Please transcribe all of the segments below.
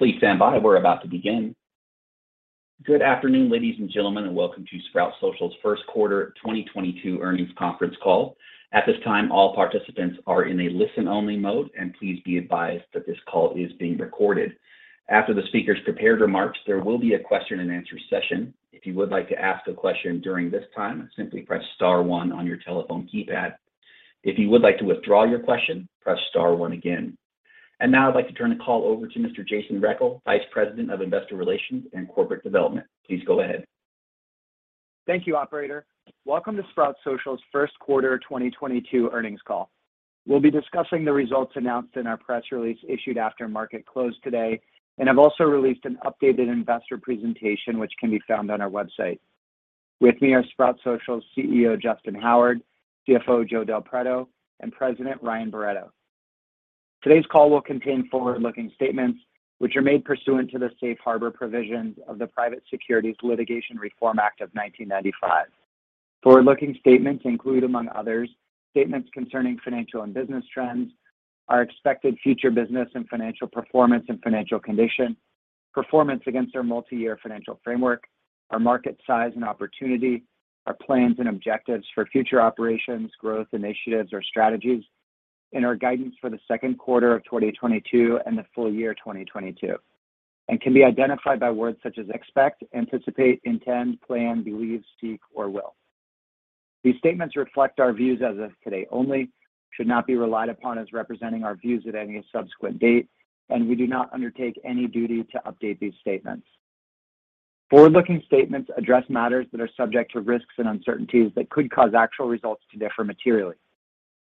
Please stand by. We're about to begin. Good afternoon, ladies and gentlemen, and welcome to Sprout Social's First Quarter 2022 Earnings Conference Call. At this time, all participants are in a listen-only mode, and please be advised that this call is being recorded. After the speakers' prepared remarks, there will be a question and answer session. If you would like to ask a question during this time, simply press star one on your telephone keypad. If you would like to withdraw your question, press star one again. Now I'd like to turn the call over to Mr. Jason Rechel, Vice President of Investor Relations and Corporate Development. Please go ahead. Thank you, operator. Welcome to Sprout Social's first quarter 2022 earnings call. We'll be discussing the results announced in our press release issued after market close today, and have also released an updated investor presentation which can be found on our website. With me are Sprout Social's CEO, Justyn Howard, CFO, Joe Del Preto, and President, Ryan Barretto. Today's call will contain forward-looking statements, which are made pursuant to the Safe Harbor provisions of the Private Securities Litigation Reform Act of 1995. Forward-looking statements include, among others, statements concerning financial and business trends, our expected future business and financial performance and financial condition, performance against our multi-year financial framework, our market size and opportunity, our plans and objectives for future operations, growth initiatives or strategies, and our guidance for the second quarter of 2022 and the full year 2022, and can be identified by words such as expect, anticipate, intend, plan, believe, seek, or will. These statements reflect our views as of today only, should not be relied upon as representing our views at any subsequent date, and we do not undertake any duty to update these statements. Forward-looking statements address matters that are subject to risks and uncertainties that could cause actual results to differ materially.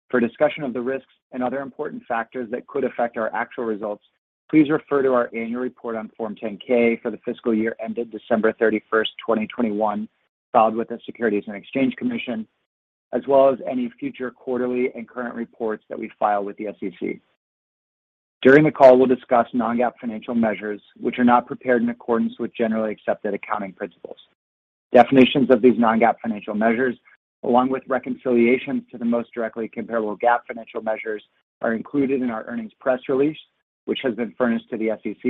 For discussion of the risks and other important factors that could affect our actual results, please refer to our annual report on Form 10-K for the fiscal year ended December 31, 2021, filed with the Securities and Exchange Commission, as well as any future quarterly and current reports that we file with the SEC. During the call, we'll discuss non-GAAP financial measures, which are not prepared in accordance with generally accepted accounting principles. Definitions of these non-GAAP financial measures, along with reconciliations to the most directly comparable GAAP financial measures, are included in our earnings press release, which has been furnished to the SEC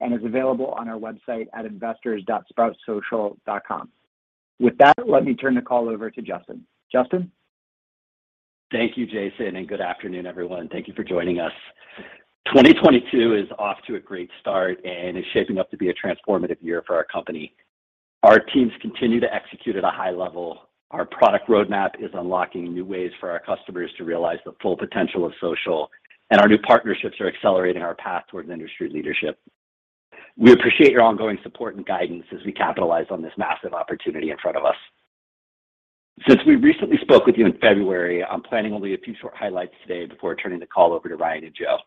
and is available on our website at investors.sproutsocial.com. With that, let me turn the call over to Justyn. Justyn? Thank you, Jason, and good afternoon, everyone. Thank you for joining us. 2022 is off to a great start and is shaping up to be a transformative year for our company. Our teams continue to execute at a high level. Our product roadmap is unlocking new ways for our customers to realize the full potential of social, and our new partnerships are accelerating our path towards industry leadership. We appreciate your ongoing support and guidance as we capitalize on this massive opportunity in front of us. Since we recently spoke with you in February, I'm planning only a few short highlights today before turning the call over to Ryan and Joe.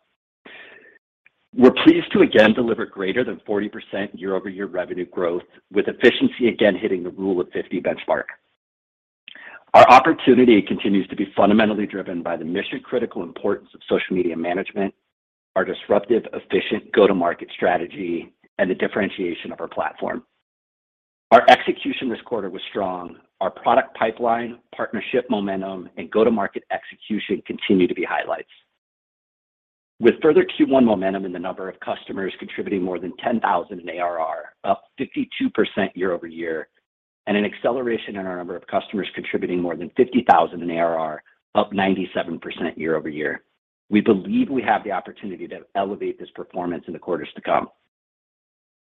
We're pleased to again deliver greater than 40% year-over-year revenue growth, with efficiency again hitting the Rule of 50 benchmark. Our opportunity continues to be fundamentally driven by the mission-critical importance of social media management, our disruptive, efficient go-to-market strategy, and the differentiation of our platform. Our execution this quarter was strong. Our product pipeline, partnership momentum, and go-to-market execution continue to be highlights. With further Q1 momentum in the number of customers contributing more than 10,000 in ARR, up 52% year-over-year, and an acceleration in our number of customers contributing more than 50,000 in ARR, up 97% year-over-year, we believe we have the opportunity to elevate this performance in the quarters to come.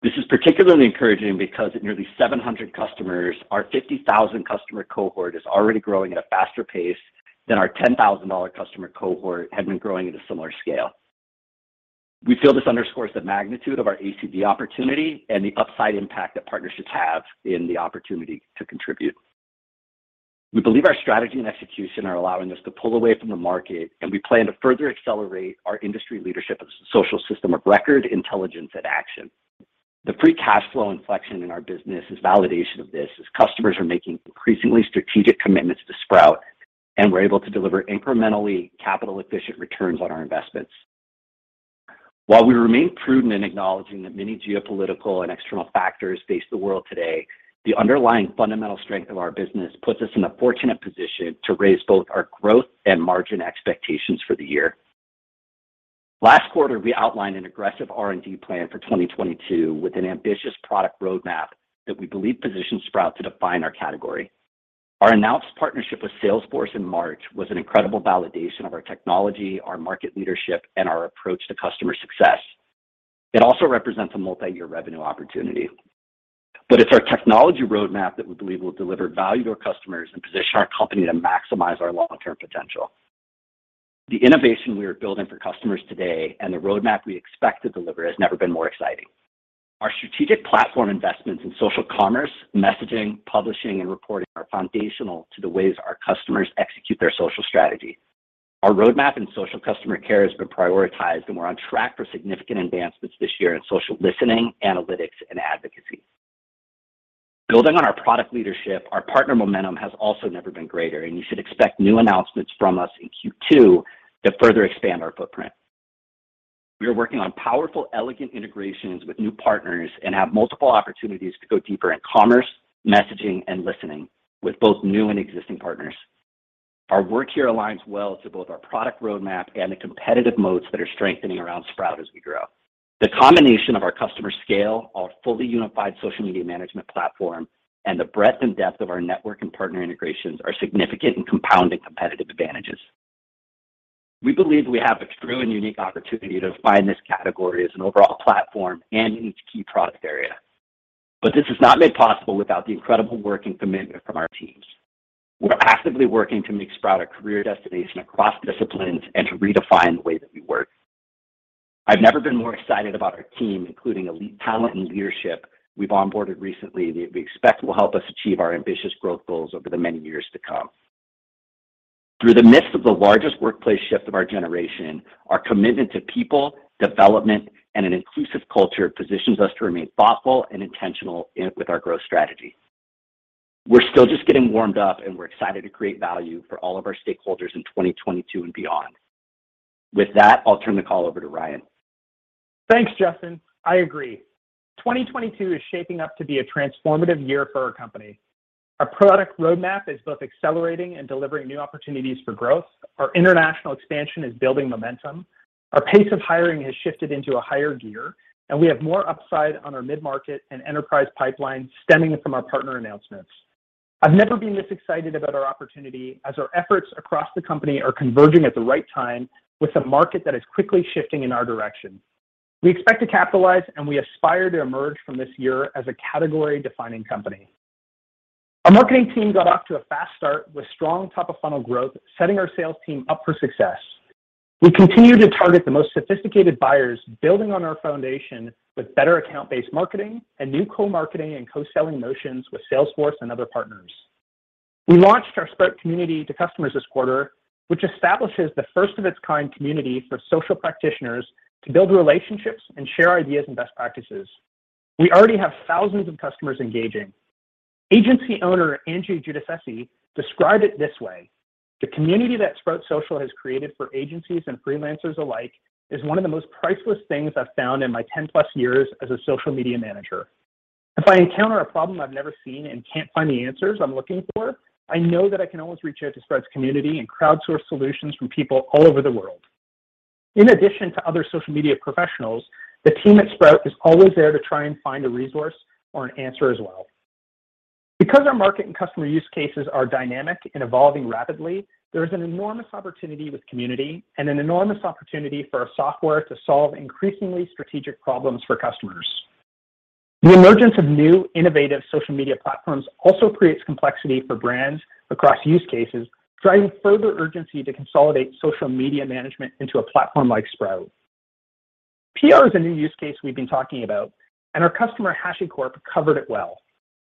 This is particularly encouraging because at nearly 700 customers, our 50,000 customer cohort is already growing at a faster pace than our 10,000-dollar customer cohort had been growing at a similar scale. We feel this underscores the magnitude of our ACV opportunity and the upside impact that partnerships have in the opportunity to contribute. We believe our strategy and execution are allowing us to pull away from the market, and we plan to further accelerate our industry leadership as the social system of record, intelligence, and action. The free cash flow inflection in our business is validation of this as customers are making increasingly strategic commitments to Sprout, and we're able to deliver incrementally capital-efficient returns on our investments. While we remain prudent in acknowledging that many geopolitical and external factors face the world today, the underlying fundamental strength of our business puts us in a fortunate position to raise both our growth and margin expectations for the year. Last quarter, we outlined an aggressive R&D plan for 2022 with an ambitious product roadmap that we believe positions Sprout to define our category. Our announced partnership with Salesforce in March was an incredible validation of our technology, our market leadership, and our approach to customer success. It also represents a multi-year revenue opportunity. It's our technology roadmap that we believe will deliver value to our customers and position our company to maximize our long-term potential. The innovation we are building for customers today and the roadmap we expect to deliver has never been more exciting. Our strategic platform investments in social commerce, messaging, publishing, and reporting are foundational to the ways our customers execute their social strategy. Our roadmap in social customer care has been prioritized, and we're on track for significant advancements this year in social listening, analytics, and advocacy. Building on our product leadership, our partner momentum has also never been greater, and you should expect new announcements from us in Q2 to further expand our footprint. We are working on powerful, elegant integrations with new partners and have multiple opportunities to go deeper in commerce, messaging, and listening with both new and existing partners. Our work here aligns well to both our product roadmap and the competitive moats that are strengthening around Sprout as we grow. The combination of our customer scale, our fully unified social media management platform, and the breadth and depth of our network and partner integrations are significant and compounding competitive advantages. We believe we have a true and unique opportunity to define this category as an overall platform and in each key product area. This is not made possible without the incredible work and commitment from our teams. We're actively working to make Sprout a career destination across disciplines and to redefine the way that we work. I've never been more excited about our team, including elite talent and leadership we've onboarded recently that we expect will help us achieve our ambitious growth goals over the many years to come. Through the midst of the largest workplace shift of our generation, our commitment to people, development, and an inclusive culture positions us to remain thoughtful and intentional with our growth strategy. We're still just getting warmed up, and we're excited to create value for all of our stakeholders in 2022 and beyond. With that, I'll turn the call over to Ryan. Thanks, Justyn. I agree. 2022 is shaping up to be a transformative year for our company. Our product roadmap is both accelerating and delivering new opportunities for growth, our international expansion is building momentum, our pace of hiring has shifted into a higher gear, and we have more upside on our mid-market and enterprise pipeline stemming from our partner announcements. I've never been this excited about our opportunity as our efforts across the company are converging at the right time with a market that is quickly shifting in our direction. We expect to capitalize, and we aspire to emerge from this year as a category-defining company. Our marketing team got off to a fast start with strong top-of-funnel growth, setting our sales team up for success. We continue to target the most sophisticated buyers, building on our foundation with better account-based marketing and new co-marketing and co-selling motions with Salesforce and other partners. We launched our Sprout community to customers this quarter, which establishes the first-of-its-kind community for social practitioners to build relationships and share ideas and best practices. We already have thousands of customers engaging. Agency owner, Angela Sprout, described it this way, "The community that Sprout Social has created for agencies and freelancers alike is one of the most priceless things I've found in my ten-plus years as a social media manager. If I encounter a problem I've never seen and can't find the answers I'm looking for, I know that I can always reach out to Sprout's community and crowdsource solutions from people all over the world. In addition to other social media professionals, the team at Sprout is always there to try and find a resource or an answer as well. Because our market and customer use cases are dynamic and evolving rapidly, there is an enormous opportunity with community and an enormous opportunity for our software to solve increasingly strategic problems for customers. The emergence of new innovative social media platforms also creates complexity for brands across use cases, driving further urgency to consolidate social media management into a platform like Sprout. PR is a new use case we've been talking about, and our customer, HashiCorp, covered it well.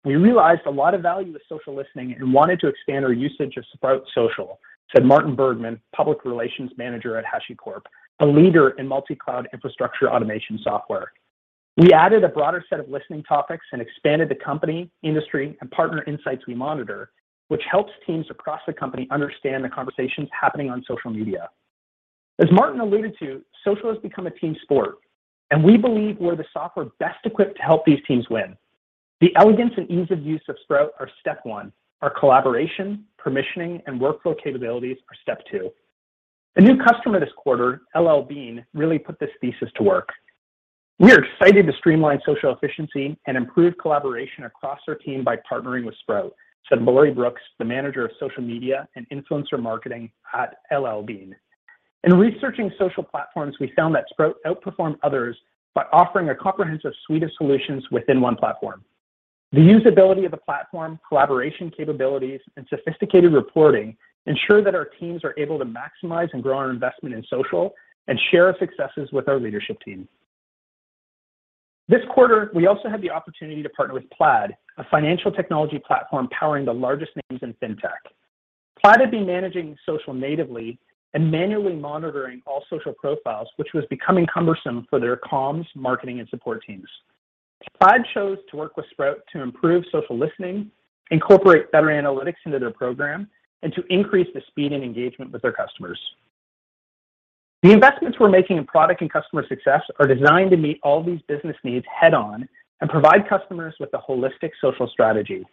"We realized a lot of value with social listening and wanted to expand our usage of Sprout Social," said Martin Bergman, Public Relations Manager at HashiCorp, a leader in multi-cloud infrastructure automation software. We added a broader set of listening topics and expanded the company, industry, and partner insights we monitor, which helps teams across the company understand the conversations happening on social media. As Martin alluded to, social has become a team sport, and we believe we're the software best equipped to help these teams win. The elegance and ease of use of Sprout are step one. Our collaboration, permissioning, and workflow capabilities are step two. A new customer this quarter, L.L.Bean, really put this thesis to work. "We're excited to streamline social efficiency and improve collaboration across our team by partnering with Sprout," said Mallory Brooks, the Manager of Social Media and Influencer Marketing at L.L.Bean. "In researching social platforms, we found that Sprout outperformed others by offering a comprehensive suite of solutions within one platform. The usability of the platform, collaboration capabilities, and sophisticated reporting ensure that our teams are able to maximize and grow our investment in social and share our successes with our leadership team. This quarter, we also had the opportunity to partner with Plaid, a financial technology platform powering the largest names in fintech. Plaid had been managing social natively and manually monitoring all social profiles, which was becoming cumbersome for their comms, marketing, and support teams. Plaid chose to work with Sprout to improve social listening, incorporate better analytics into their program, and to increase the speed and engagement with their customers. The investments we're making in product and customer success are designed to meet all these business needs head-on and provide customers with a holistic social strategy.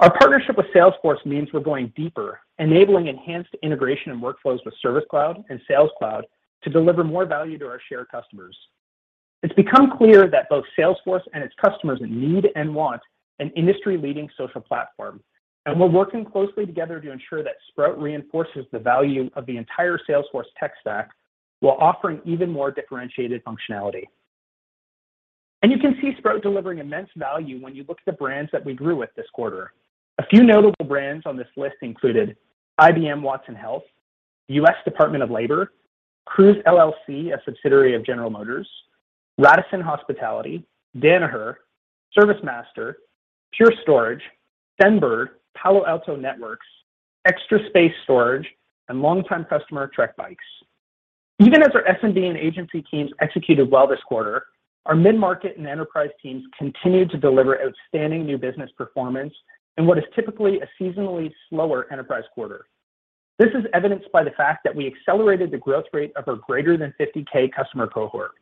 Our partnership with Salesforce means we're going deeper, enabling enhanced integration and workflows with Service Cloud and Sales Cloud to deliver more value to our shared customers. It's become clear that both Salesforce and its customers need and want an industry-leading social platform, and we're working closely together to ensure that Sprout reinforces the value of the entire Salesforce tech stack while offering even more differentiated functionality. You can see Sprout delivering immense value when you look at the brands that we grew with this quarter. A few notable brands on this list included IBM Watson Health, U.S. Department of Labor, Cruise LLC, a subsidiary of General Motors, Radisson Hospitality, Danaher, ServiceMaster, Pure Storage, Stenberg, Palo Alto Networks, Extra Space Storage, and longtime customer, Trek Bikes. Even as our SMB and agency teams executed well this quarter, our mid-market and enterprise teams continued to deliver outstanding new business performance in what is typically a seasonally slower enterprise quarter. This is evidenced by the fact that we accelerated the growth rate of our greater than 50K customer cohort.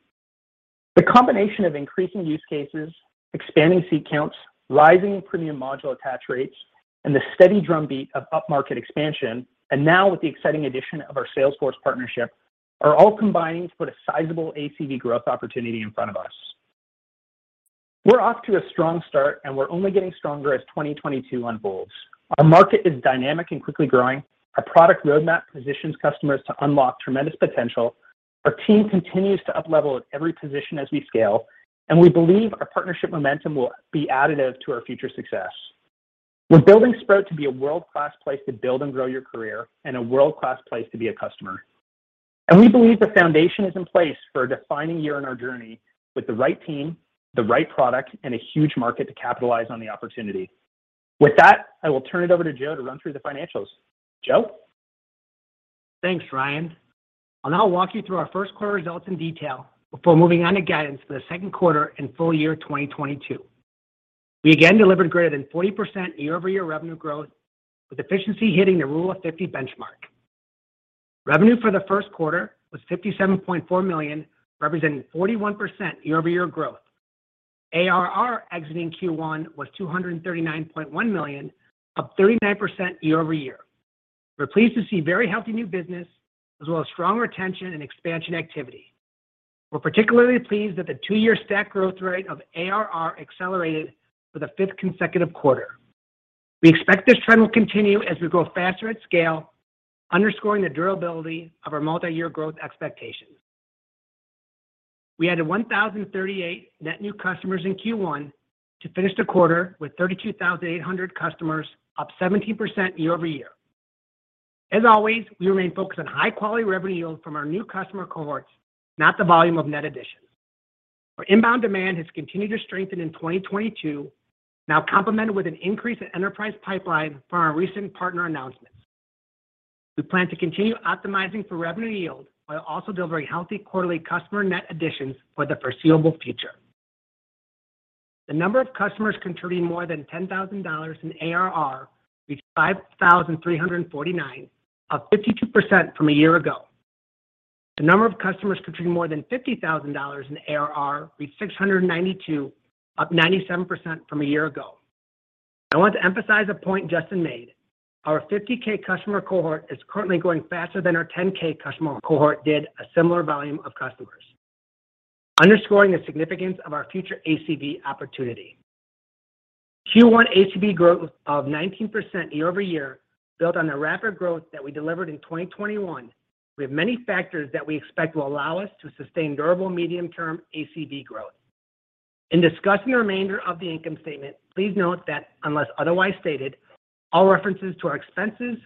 The combination of increasing use cases, expanding seat counts, rising premium module attach rates, and the steady drumbeat of upmarket expansion, and now with the exciting addition of our Salesforce partnership, are all combining to put a sizable ACV growth opportunity in front of us. We're off to a strong start, and we're only getting stronger as 2022 unfolds. Our market is dynamic and quickly growing. Our product roadmap positions customers to unlock tremendous potential. Our team continues to uplevel at every position as we scale, and we believe our partnership momentum will be additive to our future success. We're building Sprout to be a world-class place to build and grow your career and a world-class place to be a customer. We believe the foundation is in place for a defining year in our journey with the right team, the right product, and a huge market to capitalize on the opportunity. With that, I will turn it over to Joe to run through the financials. Joe? Thanks, Ryan. I'll now walk you through our first quarter results in detail before moving on to guidance for the second quarter and full year 2022. We again delivered greater than 40% year-over-year revenue growth, with efficiency hitting the Rule of 50 benchmark. Revenue for the first quarter was $57.4 million, representing 41% year-over-year growth. ARR exiting Q1 was $239.1 million, up 39% year-over-year. We're pleased to see very healthy new business as well as strong retention and expansion activity. We're particularly pleased that the two-year stack growth rate of ARR accelerated for the fifth consecutive quarter. We expect this trend will continue as we grow faster at scale, underscoring the durability of our multi-year growth expectations. We added 1,038 net new customers in Q1 to finish the quarter with 32,800 customers, up 17% year-over-year. As always, we remain focused on high-quality revenue yield from our new customer cohorts, not the volume of net additions. Our inbound demand has continued to strengthen in 2022, now complemented with an increase in enterprise pipeline from our recent partner announcements. We plan to continue optimizing for revenue yield while also delivering healthy quarterly customer net additions for the foreseeable future. The number of customers contributing more than $10,000 in ARR reached 5,349, up 52% from a year ago. The number of customers contributing more than $50,000 in ARR reached 692, up 97% from a year ago. I want to emphasize a point Justyn made. Our 50K customer cohort is currently growing faster than our 10K customer cohort did a similar volume of customers, underscoring the significance of our future ACV opportunity. Q1 ACV growth of 19% year-over-year built on the rapid growth that we delivered in 2021 with many factors that we expect will allow us to sustain durable medium-term ACV growth. In discussing the remainder of the income statement, please note that unless otherwise stated, all references to our expenses,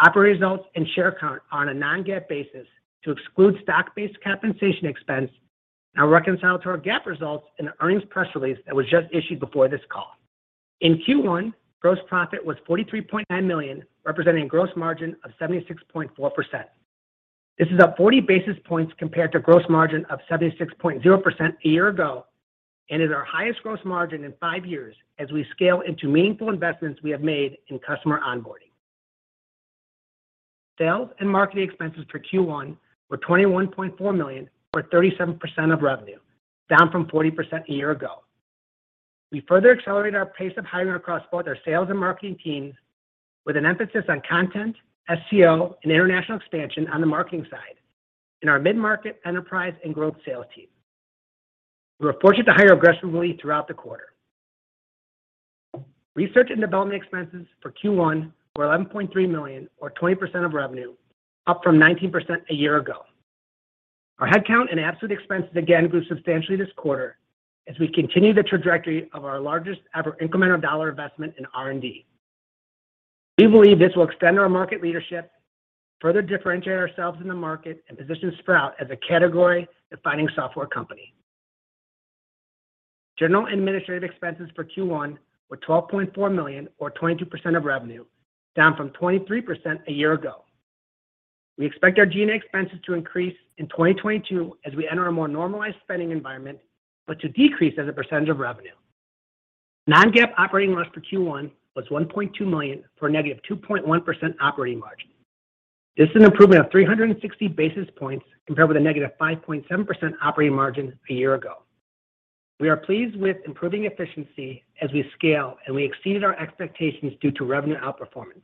operating results, and share count are on a non-GAAP basis to exclude stock-based compensation expense and are reconciled to our GAAP results in the earnings press release that was just issued before this call. In Q1, gross profit was $43.9 million, representing gross margin of 76.4%. This is up 40 basis points compared to gross margin of 76.0% a year ago and is our highest gross margin in five years as we scale into meaningful investments we have made in customer onboarding. Sales and marketing expenses for Q1 were $21.4 million or 37% of revenue, down from 40% a year ago. We further accelerated our pace of hiring across both our sales and marketing teams with an emphasis on content, SEO, and international expansion on the marketing side in our mid-market enterprise and growth sales team. We were fortunate to hire aggressively throughout the quarter. Research and development expenses for Q1 were $11.3 million or 20% of revenue, up from 19% a year ago. Our headcount and absolute expenses again grew substantially this quarter as we continue the trajectory of our largest ever incremental dollar investment in R&D. We believe this will extend our market leadership, further differentiate ourselves in the market, and position Sprout as a category-defining software company. General and administrative expenses for Q1 were $12.4 million or 22% of revenue, down from 23% a year ago. We expect our G&A expenses to increase in 2022 as we enter a more normalized spending environment, but to decrease as a percentage of revenue. Non-GAAP operating loss for Q1 was $1.2 million for a -2.1% operating margin. This is an improvement of 360 basis points compared with a -5.7% operating margin a year ago. We are pleased with improving efficiency as we scale, and we exceeded our expectations due to revenue outperformance.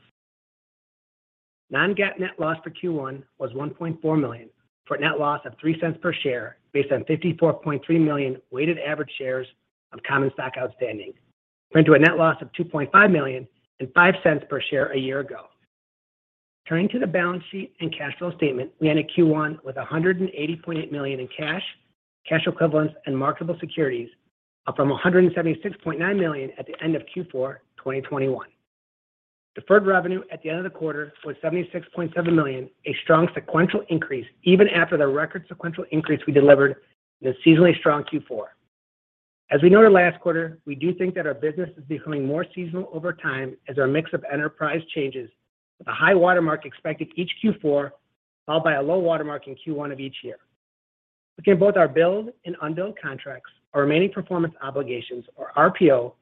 non-GAAP net loss for Q1 was $1.4 million for a net loss of $0.03 per share based on 54.3 million weighted average shares of common stock outstanding compared to a net loss of $2.5 million and $0.05 per share a year ago. Turning to the balance sheet and cash flow statement, we ended Q1 with $180.8 million in cash equivalents, and marketable securities, up from $176.9 million at the end of Q4 2021. Deferred revenue at the end of the quarter was $76.7 million, a strong sequential increase even after the record sequential increase we delivered in the seasonally strong Q4. As we noted last quarter, we do think that our business is becoming more seasonal over time as our mix of enterprise changes with a high watermark expected each Q4, followed by a low watermark in Q1 of each year. Looking at both our billed and unbilled contracts, our remaining performance obligations or RPO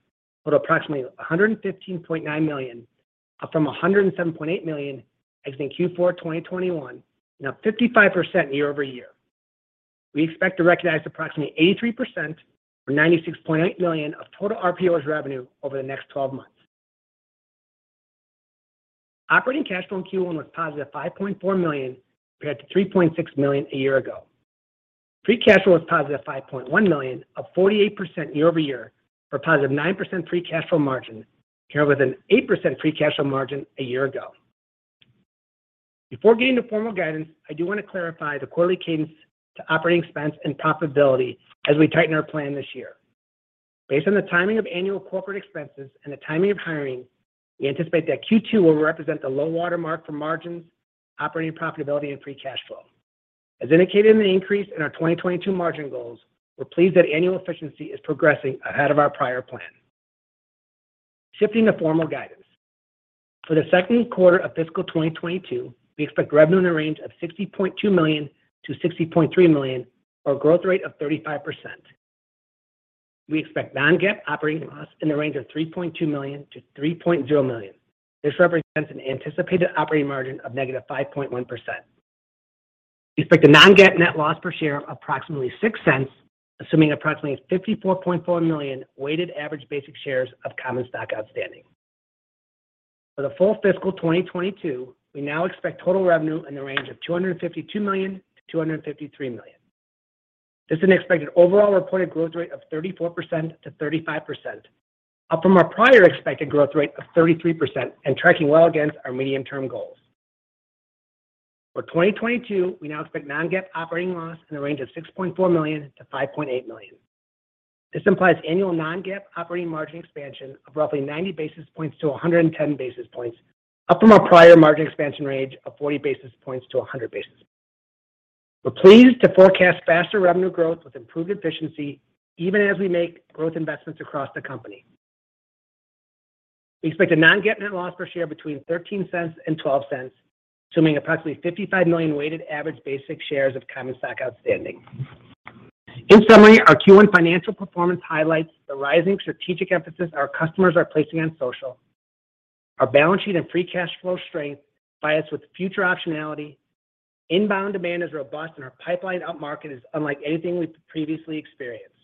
totaled approximately $115.9 million. Up from $107.8 million exiting Q4 2021, now 55% year-over-year. We expect to recognize approximately 83% or $96.8 million of total RPO as revenue over the next 12 months. Operating cash flow in Q1 was positive $5.4 million compared to $3.6 million a year ago. Free cash flow was positive $5.1 million, up 48% year-over-year for a positive 9% free cash flow margin, paired with an 8% free cash flow margin a year ago. Before getting to formal guidance, I do want to clarify the quarterly cadence to operating expense and profitability as we tighten our plan this year. Based on the timing of annual corporate expenses and the timing of hiring, we anticipate that Q2 will represent the low water mark for margins, operating profitability and free cash flow. As indicated in the increase in our 2022 margin goals, we're pleased that annual efficiency is progressing ahead of our prior plan. Shifting to formal guidance. For the second quarter of fiscal 2022, we expect revenue in the range of $60.2 million-$60.3 million, or a growth rate of 35%. We expect non-GAAP operating loss in the range of $3.2 million-$3.0 million. This represents an anticipated operating margin of -5.1%. We expect a non-GAAP net loss per share of approximately $0.06, assuming approximately 54.4 million weighted average basic shares of common stock outstanding. For the full fiscal 2022, we now expect total revenue in the range of $252 million-$253 million. This is an expected overall reported growth rate of 34%-35%, up from our prior expected growth rate of 33% and tracking well against our medium-term goals. For 2022, we now expect non-GAAP operating loss in the range of $6.4 million-$5.8 million. This implies annual non-GAAP operating margin expansion of roughly 90 basis points to 110 basis points, up from our prior margin expansion range of 40 basis points to 100 basis points. We're pleased to forecast faster revenue growth with improved efficiency, even as we make growth investments across the company. We expect a non-GAAP net loss per share between $0.13 and $0.12, assuming approximately 55 million weighted average basic shares of common stock outstanding. In summary, our Q1 financial performance highlights the rising strategic emphasis our customers are placing on social. Our balance sheet and free cash flow strength buys us with future optionality. Inbound demand is robust, and our pipeline up-market is unlike anything we've previously experienced.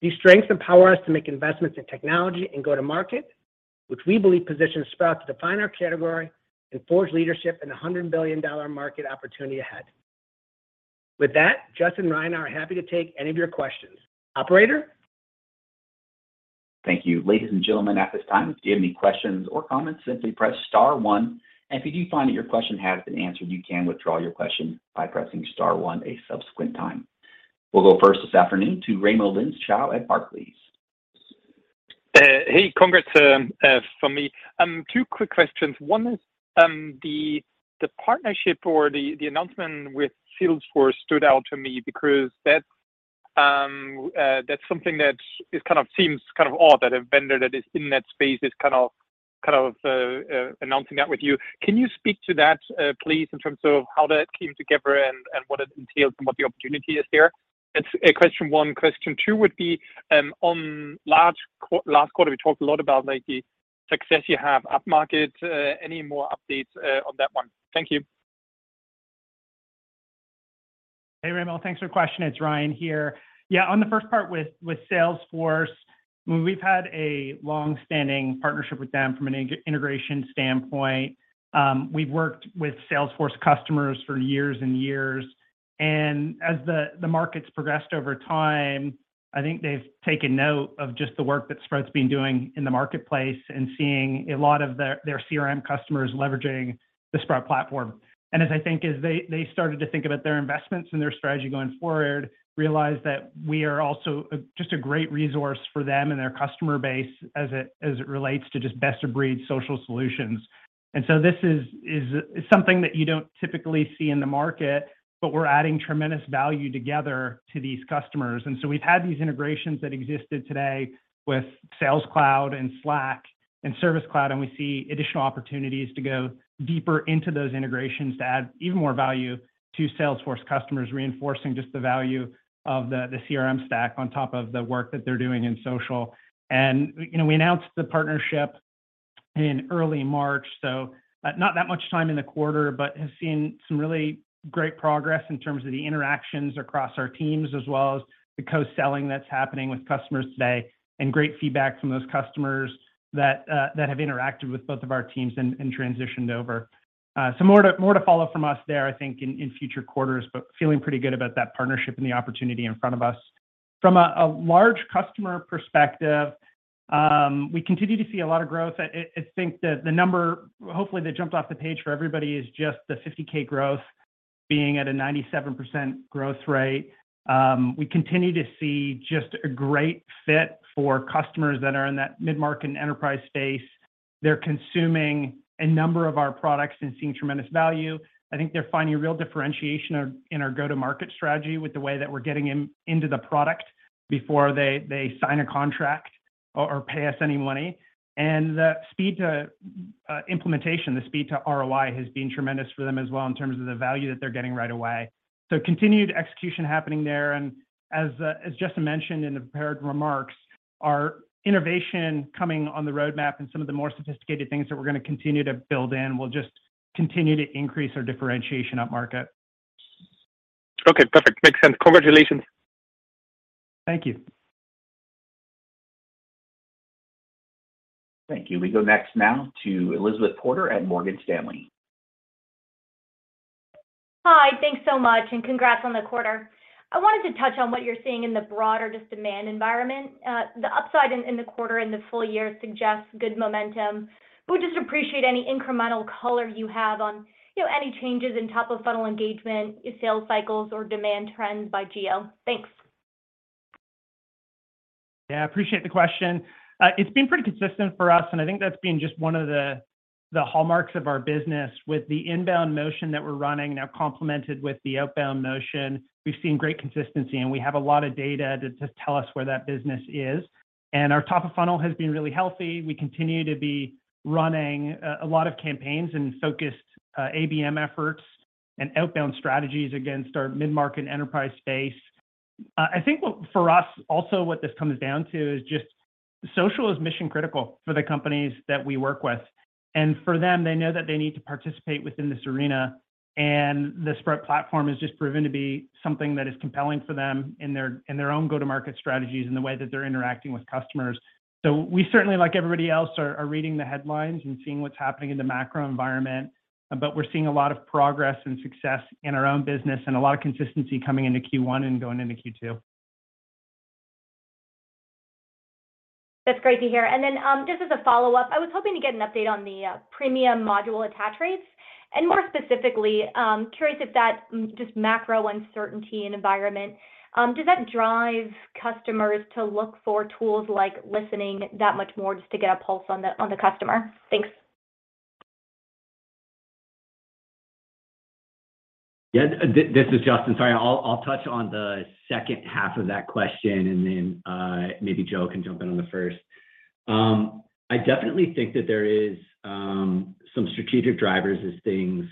These strengths empower us to make investments in technology and go to market, which we believe positions Sprout to define our category and forge leadership in the $100 billion market opportunity ahead. With that, Justyn and Ryan are happy to take any of your questions. Operator? Thank you. Ladies and gentlemen, at this time, if you have any questions or comments, simply press star one. If you do find that your question has been answered, you can withdraw your question by pressing star one a subsequent time. We'll go first this afternoon to Raimo Lenschow at Barclays. Hey, congrats from me. Two quick questions. One is the partnership or the announcement with Salesforce stood out to me because that's something that kind of seems kind of odd that a vendor that is in that space is kind of announcing that with you. Can you speak to that, please, in terms of how that came together and what it entails and what the opportunity is there? It's question one. Question two would be on last quarter, we talked a lot about like the success you have up market. Any more updates on that one? Thank you. Hey, Raimo, thanks for the question. It's Ryan here. Yeah, on the first part with Salesforce, we've had a long-standing partnership with them from an integration standpoint. We've worked with Salesforce customers for years and years. The market's progressed over time. I think they've taken note of just the work that Sprout's been doing in the marketplace and seeing a lot of their CRM customers leveraging the Sprout platform. As I think as they started to think about their investments and their strategy going forward, realized that we are also just a great resource for them and their customer base as it relates to just best of breed social solutions. This is something that you don't typically see in the market, but we're adding tremendous value together to these customers. We've had these integrations that existed today with Sales Cloud and Slack and Service Cloud, and we see additional opportunities to go deeper into those integrations to add even more value to Salesforce customers, reinforcing just the value of the CRM stack on top of the work that they're doing in social. You know, we announced the partnership in early March, so not that much time in the quarter, but have seen some really great progress in terms of the interactions across our teams, as well as the co-selling that's happening with customers today, and great feedback from those customers that have interacted with both of our teams and transitioned over. More to follow from us there, I think, in future quarters, but feeling pretty good about that partnership and the opportunity in front of us. From a large customer perspective, we continue to see a lot of growth. I think the number, hopefully, that jumped off the page for everybody is just the 50K growth being at a 97% growth rate. We continue to see just a great fit for customers that are in that mid-market and enterprise space. They're consuming a number of our products and seeing tremendous value. I think they're finding real differentiation in our go-to-market strategy with the way that we're getting them into the product before they sign a contract or pay us any money. The speed to implementation, the speed to ROI has been tremendous for them as well in terms of the value that they're getting right away. Continued execution happening there. As Justyn mentioned in the prepared remarks, our innovation coming on the roadmap and some of the more sophisticated things that we're gonna continue to build in will just continue to increase our differentiation up market. Okay, perfect. Makes sense. Congratulations. Thank you. Thank you. We go next now to Elizabeth Porter at Morgan Stanley. Hi. Thanks so much, and congrats on the quarter. I wanted to touch on what you're seeing in the broader just demand environment. The upside in the quarter and the full year suggests good momentum. Would just appreciate any incremental color you have on, you know, any changes in top of funnel engagement, sales cycles or demand trends by GL. Thanks. Yeah, I appreciate the question. It's been pretty consistent for us, and I think that's been just one of the hallmarks of our business with the inbound motion that we're running now complemented with the outbound motion. We've seen great consistency, and we have a lot of data to tell us where that business is. Our top of funnel has been really healthy. We continue to be running a lot of campaigns and focused ABM efforts and outbound strategies against our mid-market enterprise space. I think what for us also what this comes down to is just social is mission-critical for the companies that we work with. For them, they know that they need to participate within this arena, and the Sprout platform has just proven to be something that is compelling for them in their own go-to-market strategies and the way that they're interacting with customers. We certainly, like everybody else, are reading the headlines and seeing what's happening in the macro environment, but we're seeing a lot of progress and success in our own business and a lot of consistency coming into Q1 and going into Q2. That's great to hear. Just as a follow-up, I was hoping to get an update on the premium module attach rates. More specifically, curious if that just macro uncertainty and environment does that drive customers to look for tools like listening that much more just to get a pulse on the customer? Thanks. Yeah. This is Justyn Howard. Sorry. I'll touch on the second half of that question and then maybe Joe Del Preto can jump in on the first. I definitely think that there is some strategic drivers as things,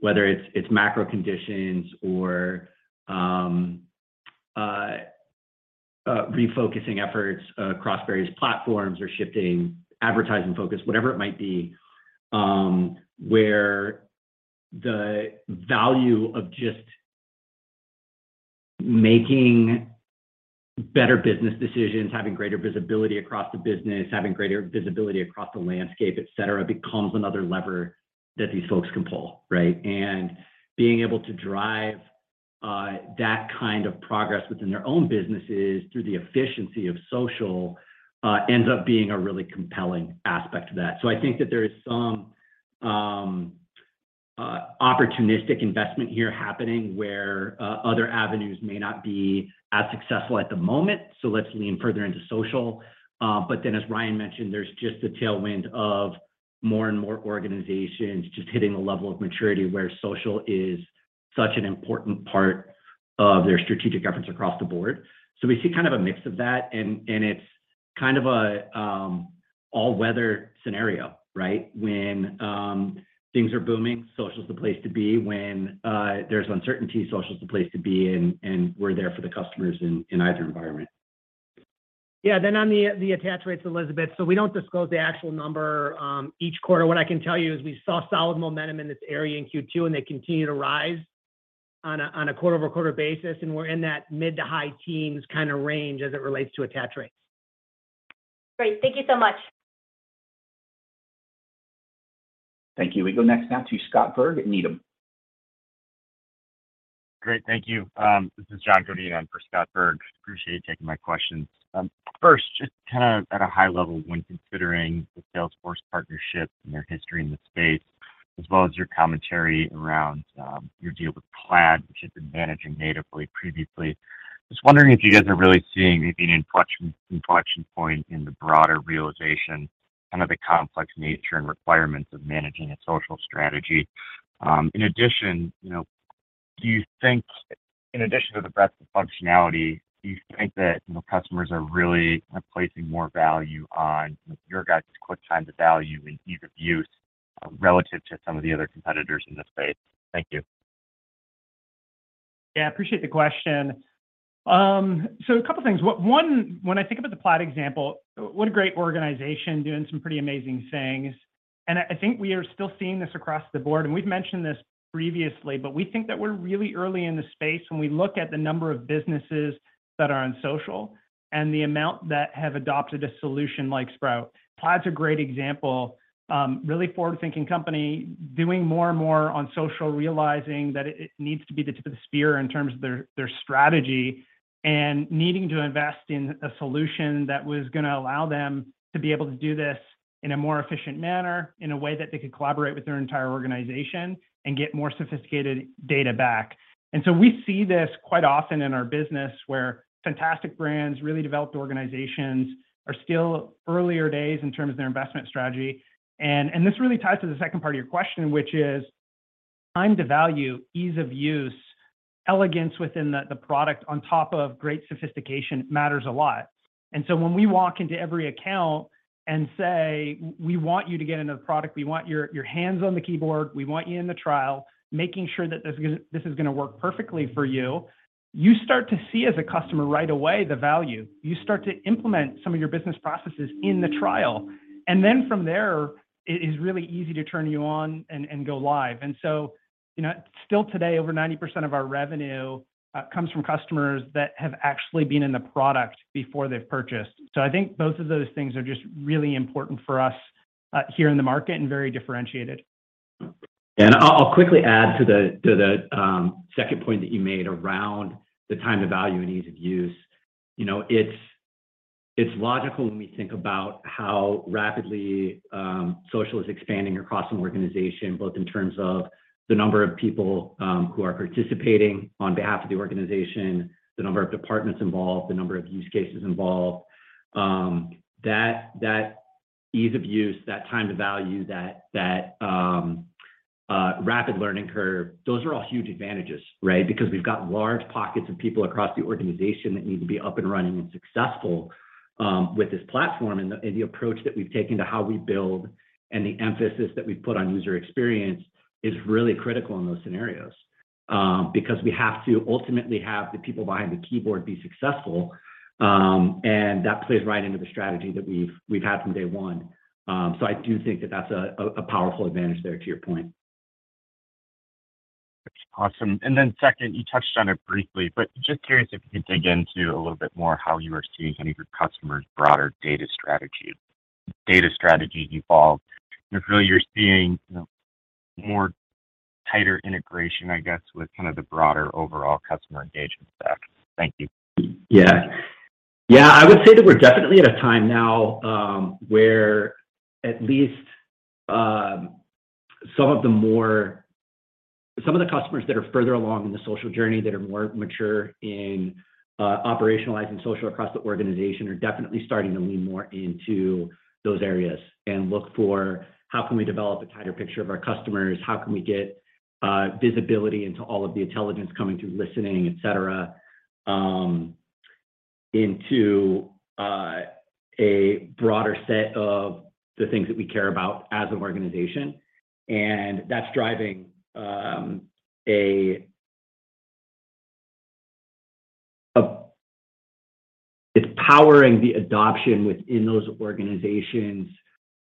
whether it's macro conditions or refocusing efforts across various platforms or shifting advertising focus, whatever it might be, where the value of just making better business decisions, having greater visibility across the business, having greater visibility across the landscape, et cetera, becomes another lever that these folks can pull, right? Being able to drive that kind of progress within their own businesses through the efficiency of social ends up being a really compelling aspect to that. I think that there is some opportunistic investment here happening where other avenues may not be as successful at the moment, so let's lean further into social. As Ryan mentioned, there's just a tailwind of more and more organizations just hitting a level of maturity where social is such an important part of their strategic efforts across the board. We see kind of a mix of that, and it's kind of a all-weather scenario, right? When things are booming, social is the place to be. When there's uncertainty, social is the place to be, and we're there for the customers in either environment. On the attach rates, Elizabeth. We don't disclose the actual number each quarter. What I can tell you is we saw solid momentum in this area in Q2, and they continue to rise on a quarter-over-quarter basis, and we're in that mid to high teens kind of range as it relates to attach rates. Great. Thank you so much. Thank you. We go next now to Scott Berg, Needham & Company. Great. Thank you. This is John Godin in for Scott Berg. Appreciate you taking my questions. First, just kind of at a high level when considering the Salesforce partnership and their history in the space as well as your commentary around your deal with Plaid, which you've been managing natively previously. Just wondering if you guys are really seeing maybe an inflection point in the broader realization, kind of the complex nature and requirements of managing a social strategy. In addition, you know, do you think in addition to the breadth of functionality, do you think that, you know, customers are really kind of placing more value on your guys' quick time to value and ease of use relative to some of the other competitors in this space? Thank you. Yeah, I appreciate the question. A couple of things. One, when I think about the Plaid example, what a great organization doing some pretty amazing things. I think we are still seeing this across the board, and we've mentioned this previously, but we think that we're really early in the space when we look at the number of businesses that are on social and the amount that have adopted a solution like Sprout. Plaid's a great example, really forward-thinking company doing more and more on social, realizing that it needs to be the tip of the spear in terms of their strategy and needing to invest in a solution that was gonna allow them to be able to do this in a more efficient manner, in a way that they could collaborate with their entire organization and get more sophisticated data back. We see this quite often in our business where fantastic brands, really developed organizations are still earlier days in terms of their investment strategy. This really ties to the second part of your question, which is time to value, ease of use, elegance within the product on top of great sophistication matters a lot. When we walk into every account and say, "We want you to get into the product. We want your hands on the keyboard. We want you in the trial," making sure that this is gonna work perfectly for you start to see as a customer right away the value. You start to implement some of your business processes in the trial. From there, it is really easy to turn you on and go live. You know, still today, over 90% of our revenue comes from customers that have actually been in the product before they've purchased. I think both of those things are just really important for us here in the market and very differentiated. I'll quickly add to the second point that you made around the time to value and ease of use. You know, it's logical when we think about how rapidly social is expanding across an organization, both in terms of the number of people who are participating on behalf of the organization, the number of departments involved, the number of use cases involved. That ease of use, that time to value, that rapid learning curve, those are all huge advantages, right? Because we've got large pockets of people across the organization that need to be up and running and successful with this platform. The approach that we've taken to how we build and the emphasis that we put on user experience is really critical in those scenarios. Because we have to ultimately have the people behind the keyboard be successful, and that plays right into the strategy that we've had from day one. I do think that that's a powerful advantage there, to your point. Awesome. Second, you touched on it briefly, but just curious if you could dig into a little bit more how you are seeing kind of your customers' broader data strategy, data strategy evolve. If really you're seeing, you know, more tighter integration, I guess, with kind of the broader overall customer engagement stack. Thank you. Yeah, I would say that we're definitely at a time now where at least some of the customers that are further along in the social journey that are more mature in operationalizing social across the organization are definitely starting to lean more into those areas and look for how can we develop a tighter picture of our customers? How can we get visibility into all of the intelligence coming through listening, etc. into a broader set of the things that we care about as an organization. That's driving. It's powering the adoption within those organizations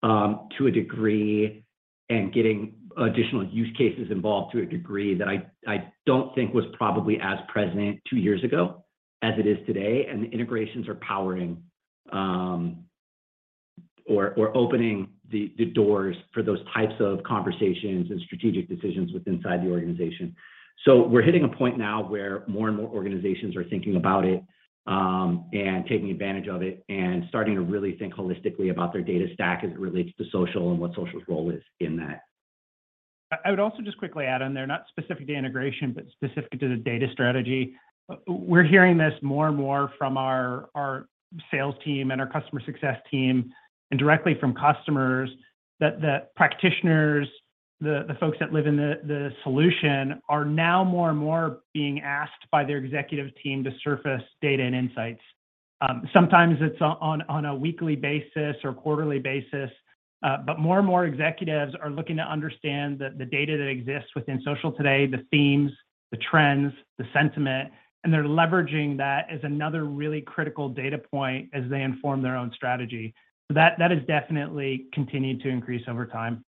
to a degree and getting additional use cases involved to a degree that I don't think was probably as present two years ago as it is today. The integrations are powering or opening the doors for those types of conversations and strategic decisions within the organization. We're hitting a point now where more and more organizations are thinking about it and taking advantage of it and starting to really think holistically about their data stack as it relates to social and what social's role is in that. I would also just quickly add on there, not specific to integration, but specific to the data strategy. We're hearing this more and more from our sales team and our customer success team, and directly from customers that the practitioners, the folks that live in the solution are now more and more being asked by their executive team to surface data and insights. Sometimes it's on a weekly basis or quarterly basis, but more and more executives are looking to understand the data that exists within social today, the themes, the trends, the sentiment, and they're leveraging that as another really critical data point as they inform their own strategy. That has definitely continued to increase over time.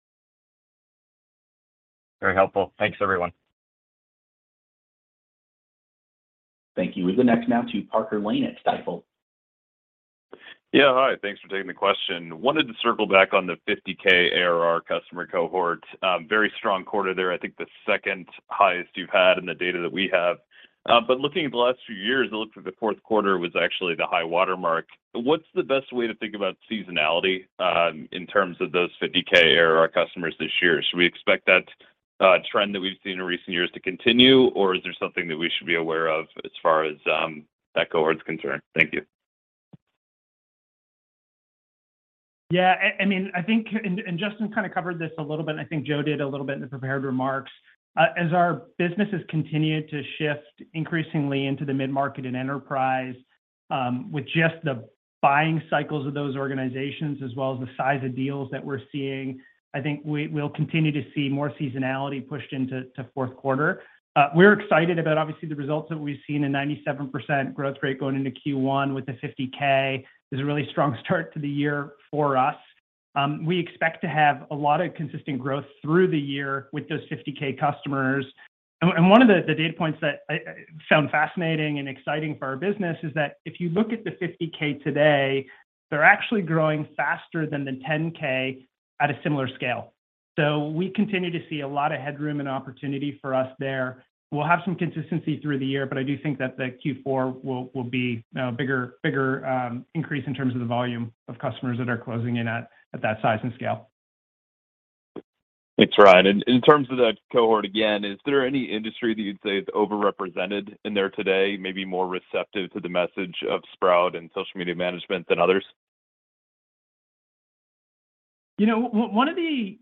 Very helpful. Thanks, everyone. Thank you. We have the next now to Parker Lane at Stifel. Yeah, hi. Thanks for taking the question. Wanted to circle back on the 50K ARR customer cohort. Very strong quarter there, I think the second highest you've had in the data that we have. Looking at the last few years, it looked like the fourth quarter was actually the high watermark. What's the best way to think about seasonality in terms of those 50K ARR customers this year? Should we expect that trend that we've seen in recent years to continue, or is there something that we should be aware of as far as that cohort's concerned? Thank you. I mean, I think Justyn kind of covered this a little bit, and I think Joe did a little bit in the prepared remarks. As our business has continued to shift increasingly into the mid-market and enterprise, with just the buying cycles of those organizations as well as the size of deals that we're seeing, I think we'll continue to see more seasonality pushed into fourth quarter. We're excited about obviously the results that we've seen, a 97% growth rate going into Q1 with the 50K is a really strong start to the year for us. We expect to have a lot of consistent growth through the year with those 50K customers. One of the data points that I found fascinating and exciting for our business is that if you look at the 50K today, they're actually growing faster than the 10K at a similar scale. We continue to see a lot of headroom and opportunity for us there. We'll have some consistency through the year, but I do think that the Q4 will be a bigger increase in terms of the volume of customers that are closing in at that size and scale. That's right. In terms of that cohort, again, is there any industry that you'd say is overrepresented in there today, maybe more receptive to the message of Sprout and social media management than others? You know, one of the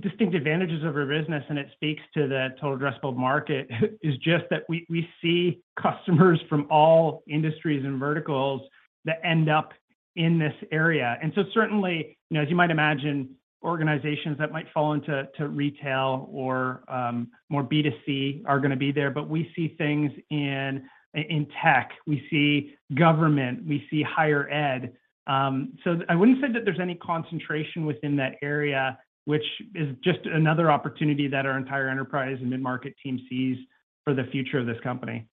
distinct advantages of our business, and it speaks to the total addressable market, is just that we see customers from all industries and verticals that end up in this area. Certainly, you know, as you might imagine, organizations that might fall into retail or more B2C are gonna be there. We see things in tech, we see government, we see higher ed. I wouldn't say that there's any concentration within that area, which is just another opportunity that our entire enterprise and mid-market team sees for the future of this company.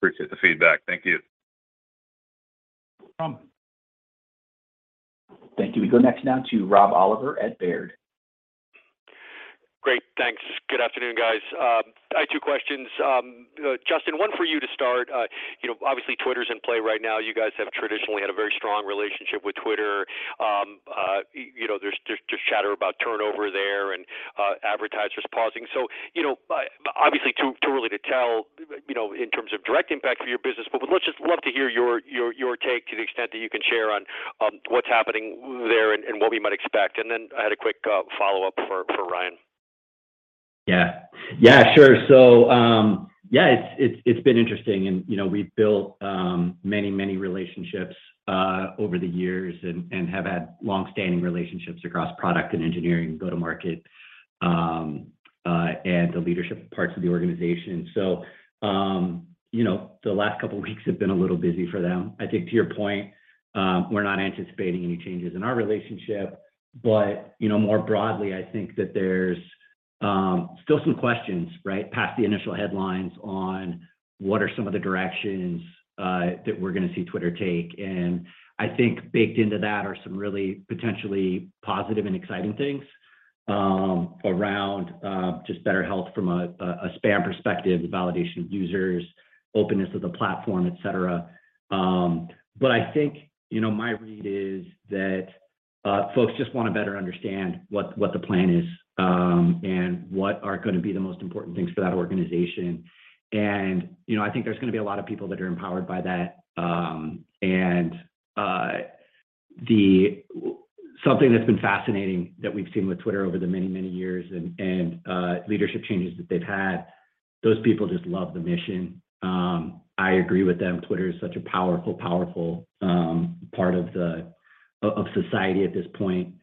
Appreciate the feedback. Thank you. Thank you. We go next now to Rob Oliver at Baird. Great, thanks. Good afternoon, guys. I have two questions. Justyn, one for you to start. You know, obviously Twitter's in play right now. You guys have traditionally had a very strong relationship with Twitter. You know, there's chatter about turnover there and advertisers pausing. You know, obviously too early to tell, you know, in terms of direct impact for your business. But we'd love to hear your take to the extent that you can share on what's happening there and what we might expect. I had a quick follow-up for Ryan. Yeah. Yeah, sure. Yeah, it's been interesting. You know, we've built many relationships over the years and have had long-standing relationships across product and engineering, go-to-market, and the leadership parts of the organization. You know, the last couple of weeks have been a little busy for them. I think to your point, we're not anticipating any changes in our relationship. You know, more broadly, I think that there's still some questions, right, past the initial headlines on what are some of the directions that we're gonna see Twitter take. I think baked into that are some really potentially positive and exciting things around just better health from a spam perspective, validation of users, openness of the platform, et cetera. I think, you know, my read is that, folks just wanna better understand what the plan is, and what are gonna be the most important things for that organization. I think there's gonna be a lot of people that are empowered by that. Something that's been fascinating that we've seen with Twitter over the many, many years and leadership changes that they've had, those people just love the mission. I agree with them. Twitter is such a powerful part of society at this point.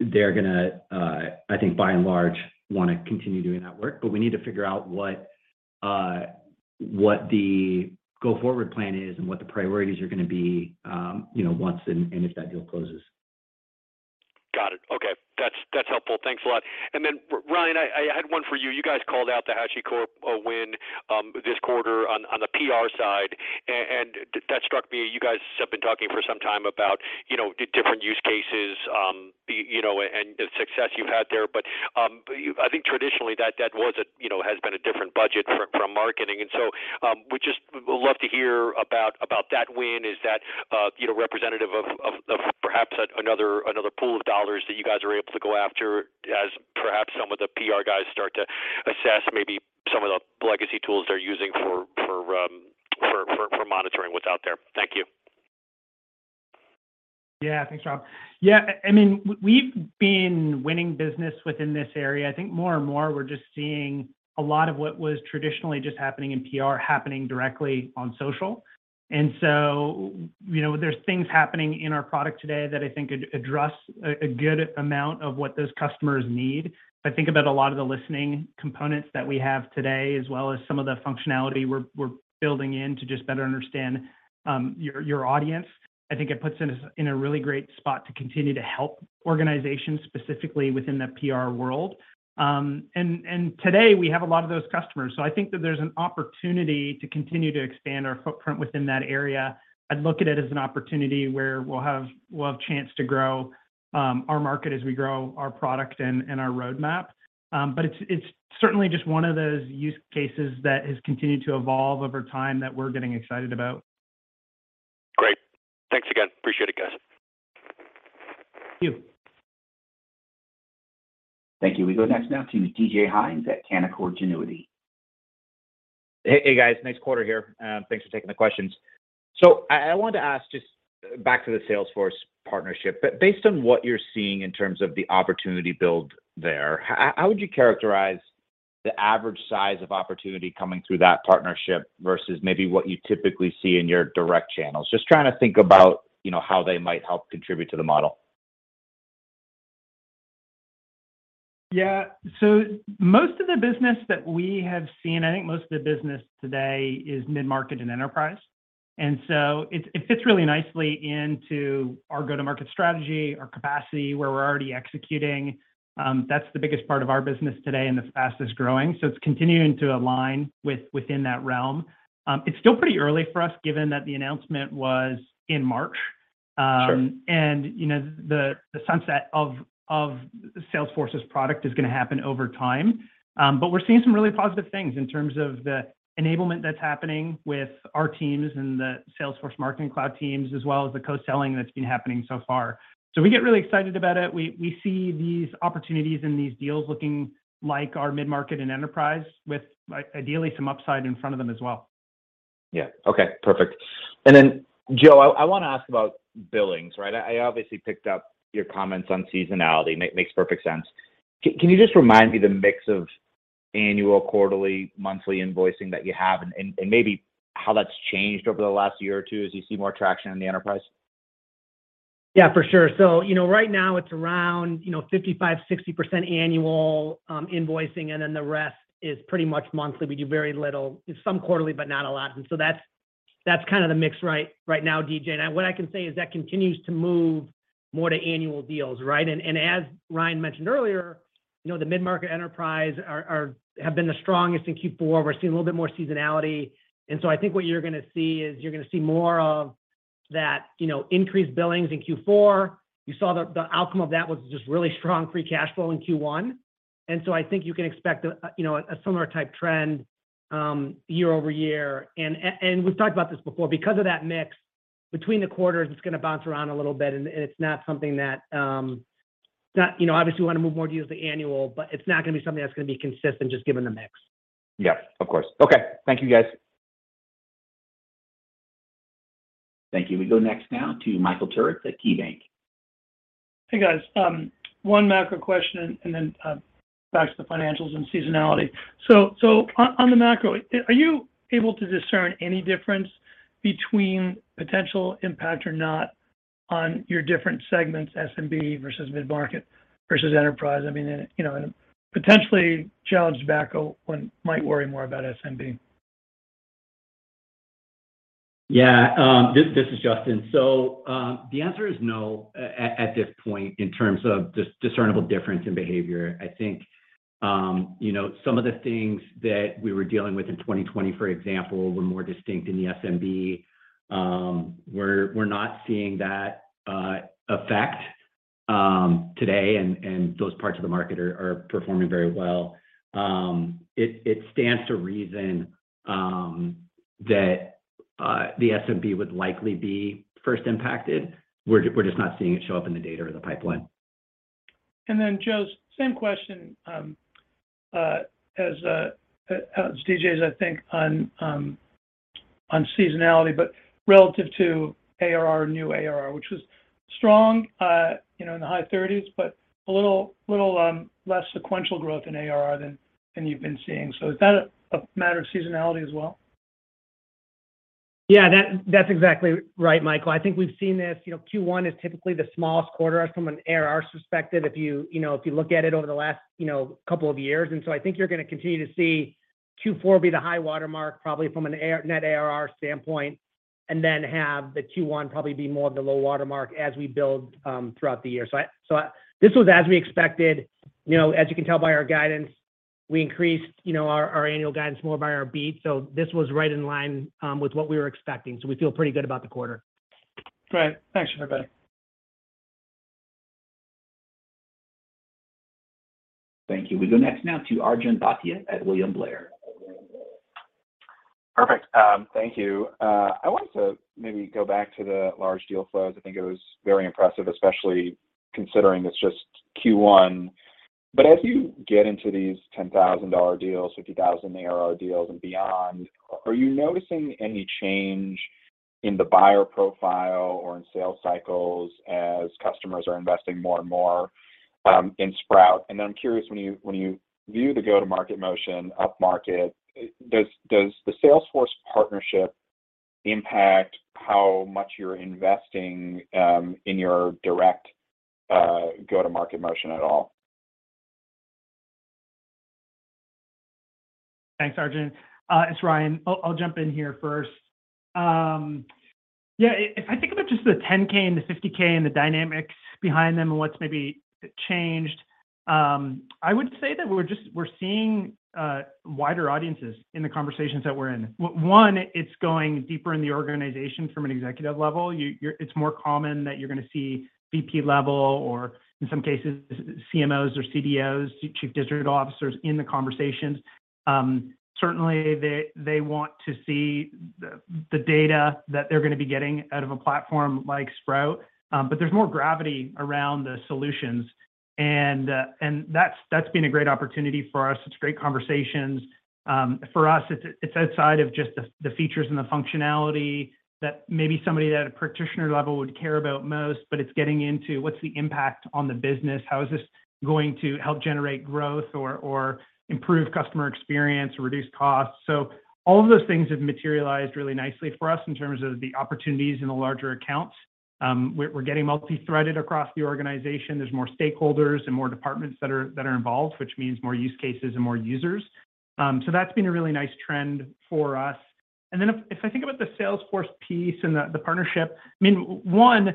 They're gonna, I think by and large, wanna continue doing that work. We need to figure out what the go forward plan is and what the priorities are gonna be, you know, once and if that deal closes. Got it. Okay. That's helpful. Thanks a lot. Ryan, I had one for you. You guys called out the HashiCorp win this quarter on the PR side. That struck me. You guys have been talking for some time about, you know, different use cases, you know, and the success you've had there. I think traditionally that was a you know, has been a different budget from marketing. We just would love to hear about that win. Is that representative of perhaps another pool of dollars that you guys are able to go after as perhaps some of the PR guys start to assess maybe some of the legacy tools they're using for monitoring what's out there? Thank you. Yeah. Thanks, Rob. Yeah, I mean, we've been winning business within this area. I think more and more we're just seeing a lot of what was traditionally just happening in PR happening directly on social. You know, there's things happening in our product today that I think address a good amount of what those customers need. If I think about a lot of the listening components that we have today, as well as some of the functionality we're building in to just better understand your audience. I think it puts us in a really great spot to continue to help organizations, specifically within the PR world. Today we have a lot of those customers. I think that there's an opportunity to continue to expand our footprint within that area. I'd look at it as an opportunity where we'll have a chance to grow our market as we grow our product and our roadmap. It's certainly just one of those use cases that has continued to evolve over time that we're getting excited about. Great. Thanks again. Appreciate it, guys. Thank you. We go next now to DJ Hynes at Canaccord Genuity. Hey, guys. Nice quarter here. Thanks for taking the questions. I wanted to ask just back to the Salesforce partnership. Based on what you're seeing in terms of the opportunity build there, how would you characterize the average size of opportunity coming through that partnership versus maybe what you typically see in your direct channels? Just trying to think about, you know, how they might help contribute to the model. Yeah. Most of the business that we have seen, I think most of the business today is mid-market and enterprise. It fits really nicely into our go-to-market strategy, our capacity, where we're already executing. That's the biggest part of our business today and it's fastest-growing. It's continuing to align within that realm. It's still pretty early for us given that the announcement was in March. Sure. You know, the sunset of Salesforce's product is gonna happen over time. We're seeing some really positive things in terms of the enablement that's happening with our teams and the Salesforce Marketing Cloud teams, as well as the co-selling that's been happening so far. We get really excited about it. We see these opportunities and these deals looking like our mid-market and enterprise with ideally some upside in front of them as well. Yeah. Okay, perfect. Joe, I wanna ask about billings, right? I obviously picked up your comments on seasonality. Makes perfect sense. Can you just remind me the mix of annual, quarterly, monthly invoicing that you have and maybe how that's changed over the last year or two as you see more traction in the enterprise? Yeah, for sure. You know, right now it's around 55%-60% annual invoicing, and then the rest is pretty much monthly. We do very little. Some quarterly, but not a lot. That's kind of the mix right now, DJ. What I can say is that continues to move more to annual deals, right? As Ryan mentioned earlier, you know, the mid-market enterprise have been the strongest in Q4. We're seeing a little bit more seasonality. I think what you're gonna see is more of that, you know, increased billings in Q4. You saw the outcome of that was just really strong free cash flow in Q1. I think you can expect a similar type trend year-over-year. We've talked about this before, because of that mix between the quarters, it's gonna bounce around a little bit, and it's not something that. You know, obviously we wanna move more deals to annual, but it's not gonna be something that's gonna be consistent just given the mix. Yeah, of course. Okay. Thank you, guys. Thank you. We go next now to Michael Turits at KeyBanc. Hey, guys. One macro question and then back to the financials and seasonality. On the macro, are you able to discern any difference between potential impact or not on your different segments, SMB versus mid-market versus enterprise? I mean, you know, potentially challenged backdrop, one might worry more about SMB. Yeah. This is Justyn Howard. The answer is no at this point in terms of discernible difference in behavior. I think you know, some of the things that we were dealing with in 2020, for example, were more distinct in the SMB. We're not seeing that effect today, and those parts of the market are performing very well. It stands to reason that the SMB would likely be first impacted. We're just not seeing it show up in the data or the pipeline. Joe, same question as DJ's, I think, on seasonality, but relative to ARR, new ARR, which was strong, you know, in the high 30s%, but a little less sequential growth in ARR than you've been seeing. So is that a matter of seasonality as well? Yeah, that's exactly right, Michael. I think we've seen this, you know, Q1 is typically the smallest quarter from an ARR perspective, if you know, if you look at it over the last, you know, couple of years. I think you're gonna continue to see Q4 be the high watermark, probably from a net ARR standpoint, and then have the Q1 probably be more of the low watermark as we build throughout the year. This was as we expected. You know, as you can tell by our guidance, we increased, you know, our annual guidance more by our beat. This was right in line with what we were expecting. We feel pretty good about the quarter. Great. Thanks, everybody. Thank you. We go next now to Arjun Bhatia at William Blair. Perfect. Thank you. I wanted to maybe go back to the large deal flows. I think it was very impressive, especially considering it's just Q1. As you get into these $10,000 deals, $50,000 ARR deals and beyond, are you noticing any change in the buyer profile or in sales cycles as customers are investing more and more in Sprout? I'm curious when you view the go-to-market motion up market, does the Salesforce partnership impact how much you're investing in your direct go-to-market motion at all? Thanks, Arjun. It's Ryan. I'll jump in here first. Yeah, if I think about just the 10-K and the 50-K and the dynamics behind them and what's maybe changed, I would say that we're seeing wider audiences in the conversations that we're in. One, it's going deeper in the organization from an executive level. It's more common that you're gonna see VP level or in some cases, CMO or CDO, chief digital officers in the conversations. Certainly they want to see the data that they're gonna be getting out of a platform like Sprout, but there's more gravity around the solutions. That's been a great opportunity for us. It's great conversations. For us, it's outside of just the features and the functionality that maybe somebody at a practitioner level would care about most, but it's getting into what's the impact on the business? How is this going to help generate growth or improve customer experience or reduce costs? All of those things have materialized really nicely for us in terms of the opportunities in the larger accounts. We're getting multi-threaded across the organization. There's more stakeholders and more departments that are involved, which means more use cases and more users. That's been a really nice trend for us. If I think about the Salesforce piece and the partnership, I mean, one,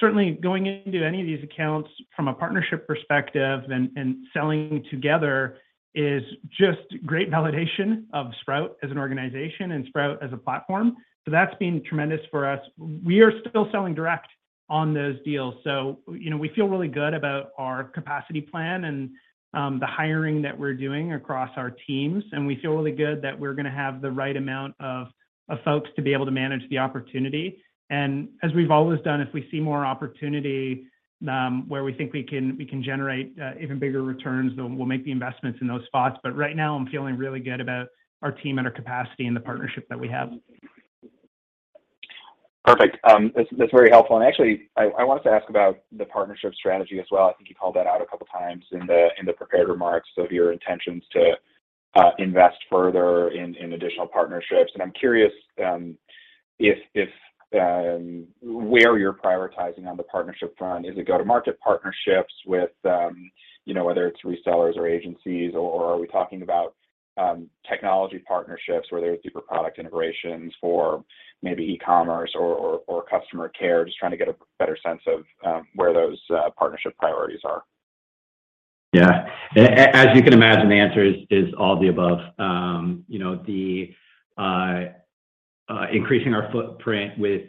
certainly going into any of these accounts from a partnership perspective and selling together is just great validation of Sprout as an organization and Sprout as a platform. That's been tremendous for us. We are still selling direct on those deals. You know, we feel really good about our capacity plan and the hiring that we're doing across our teams. We feel really good that we're gonna have the right amount of folks to be able to manage the opportunity. As we've always done, if we see more opportunity where we think we can generate even bigger returns, then we'll make the investments in those spots. Right now, I'm feeling really good about our team and our capacity and the partnership that we have. Perfect. That's very helpful. Actually, I wanted to ask about the partnership strategy as well. I think you called that out a couple of times in the prepared remarks of your intentions to invest further in additional partnerships. I'm curious, if and where you're prioritizing on the partnership front, is it go-to-market partnerships with, you know, whether it's resellers or agencies, or are we talking about technology partnerships, whether it's deeper product integrations for maybe e-commerce or customer care? Just trying to get a better sense of where those partnership priorities are. Yeah. As you can imagine, the answer is all the above. You know, the increasing our footprint with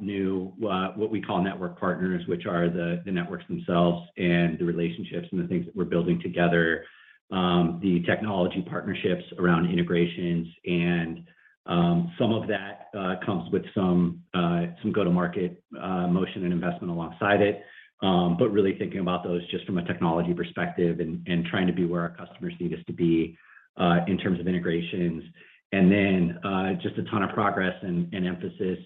new what we call network partners, which are the networks themselves, and the relationships and the things that we're building together. The technology partnerships around integrations and some of that comes with some go-to-market motion and investment alongside it. Really thinking about those just from a technology perspective and trying to be where our customers need us to be in terms of integrations. Then just a ton of progress and emphasis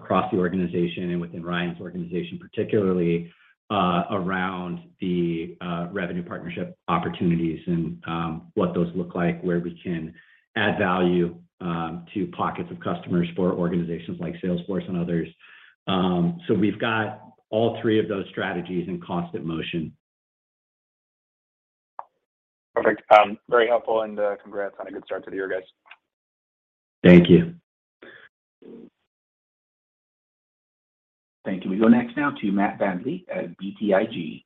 across the organization and within Ryan's organization, particularly around the revenue partnership opportunities and what those look like, where we can add value to pockets of customers for organizations like Salesforce and others. We've got all three of those strategies in constant motion. Perfect. Very helpful, and congrats on a good start to the year, guys. Thank you. Thank you. We go next now to Matt VanVliet at BTIG.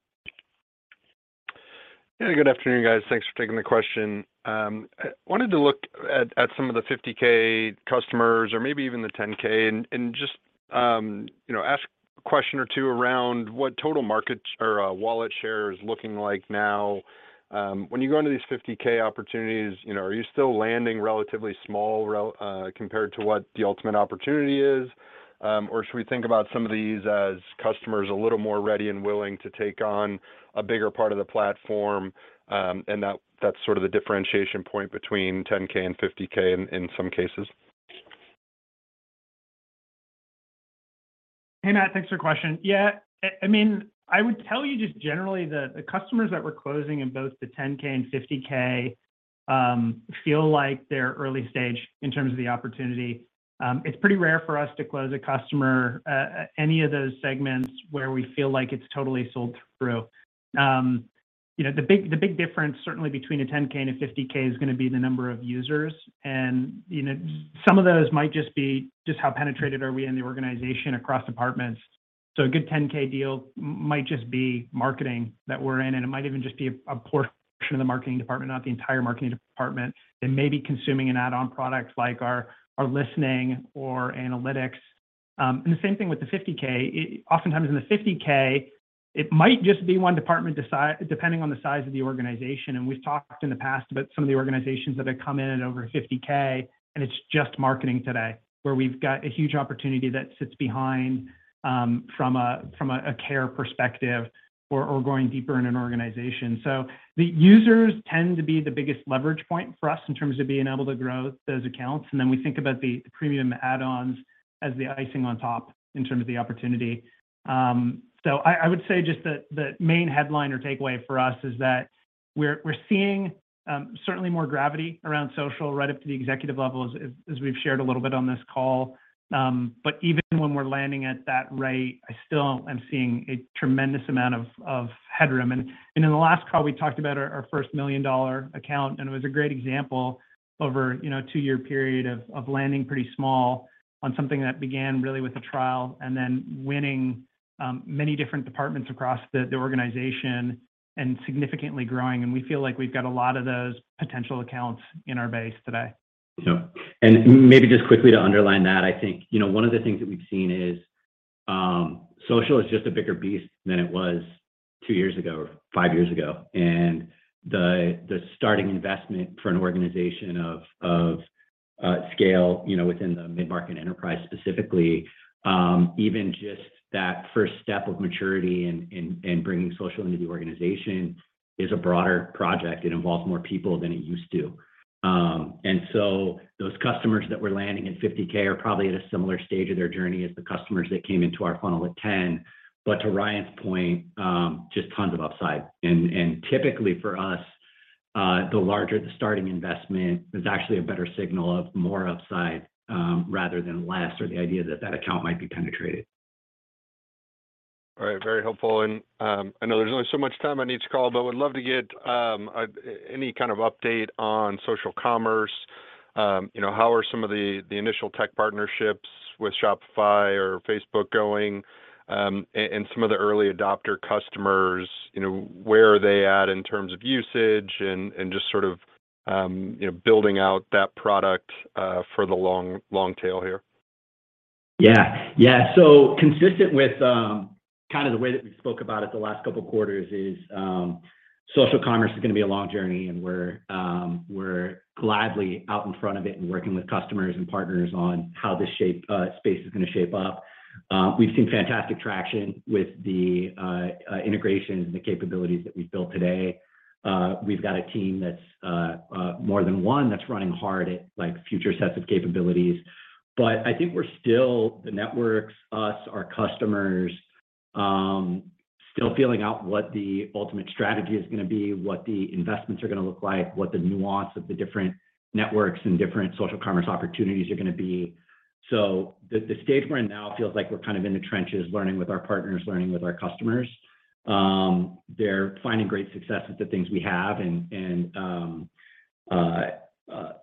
Yeah, good afternoon, guys. Thanks for taking the question. I wanted to look at some of the $50K customers or maybe even the $10K and just you know ask a question or two around what total market or wallet share is looking like now. When you go into these $50K opportunities, you know, are you still landing relatively small compared to what the ultimate opportunity is? Or should we think about some of these as customers a little more ready and willing to take on a bigger part of the platform, and that's sort of the differentiation point between $10K and $50K in some cases? Hey, Matt. Thanks for your question. Yeah. I mean, I would tell you just generally the customers that we're closing in both the 10K and 50K feel like they're early stage in terms of the opportunity. It's pretty rare for us to close a customer any of those segments where we feel like it's totally sold through. You know, the big difference certainly between a 10K and a 50K is gonna be the number of users. You know, some of those might just be how penetrated are we in the organization across departments. A good 10K deal might just be marketing that we're in, and it might even just be a portion of the marketing department, not the entire marketing department, and maybe consuming an add-on product like our listening or analytics. The same thing with the 50K. Oftentimes in the 50K, it might just be one department depending on the size of the organization. We've talked in the past about some of the organizations that have come in at over 50K, and it's just marketing today, where we've got a huge opportunity that sits behind from a care perspective or going deeper in an organization. The users tend to be the biggest leverage point for us in terms of being able to grow those accounts. Then we think about the premium add-ons as the icing on top in terms of the opportunity. I would say just the main headline or takeaway for us is that we're seeing certainly more gravity around social right up to the executive level as we've shared a little bit on this call. Even when we're landing at that rate, I still am seeing a tremendous amount of headroom. In the last call, we talked about our first million-dollar account, and it was a great example over you know a two-year period of landing pretty small on something that began really with a trial and then winning many different departments across the organization and significantly growing. We feel like we've got a lot of those potential accounts in our base today. Yeah. Maybe just quickly to underline that, I think, you know, one of the things that we've seen is, social is just a bigger beast than it was two years ago or five years ago. The starting investment for an organization of scale, you know, within the mid-market enterprise specifically, even just that first step of maturity and bringing social into the organization is a broader project. It involves more people than it used to. Those customers that we're landing at $50K are probably at a similar stage of their journey as the customers that came into our funnel at $10K. To Ryan's point, just tons of upside. Typically for us, the larger the starting investment is actually a better signal of more upside, rather than less or the idea that that account might be penetrated. All right. Very helpful. I know there's only so much time on each call, but would love to get any kind of update on social commerce. You know, how are some of the initial tech partnerships with Shopify or Facebook going? And some of the early adopter customers, you know, where are they at in terms of usage and just sort of, you know, building out that product for the long tail here? Consistent with kind of the way that we spoke about it the last couple of quarters, social commerce is gonna be a long journey, and we're gladly out in front of it and working with customers and partners on how this space is gonna shape up. We've seen fantastic traction with the integrations and the capabilities that we've built today. We've got a team that's more than one that's running hard at, like, future sets of capabilities. I think we're still, the networks, us, our customers. Still feeling out what the ultimate strategy is gonna be, what the investments are gonna look like, what the nuance of the different networks and different social commerce opportunities are gonna be. The stage we're in now feels like we're kind of in the trenches learning with our partners, learning with our customers. They're finding great success with the things we have and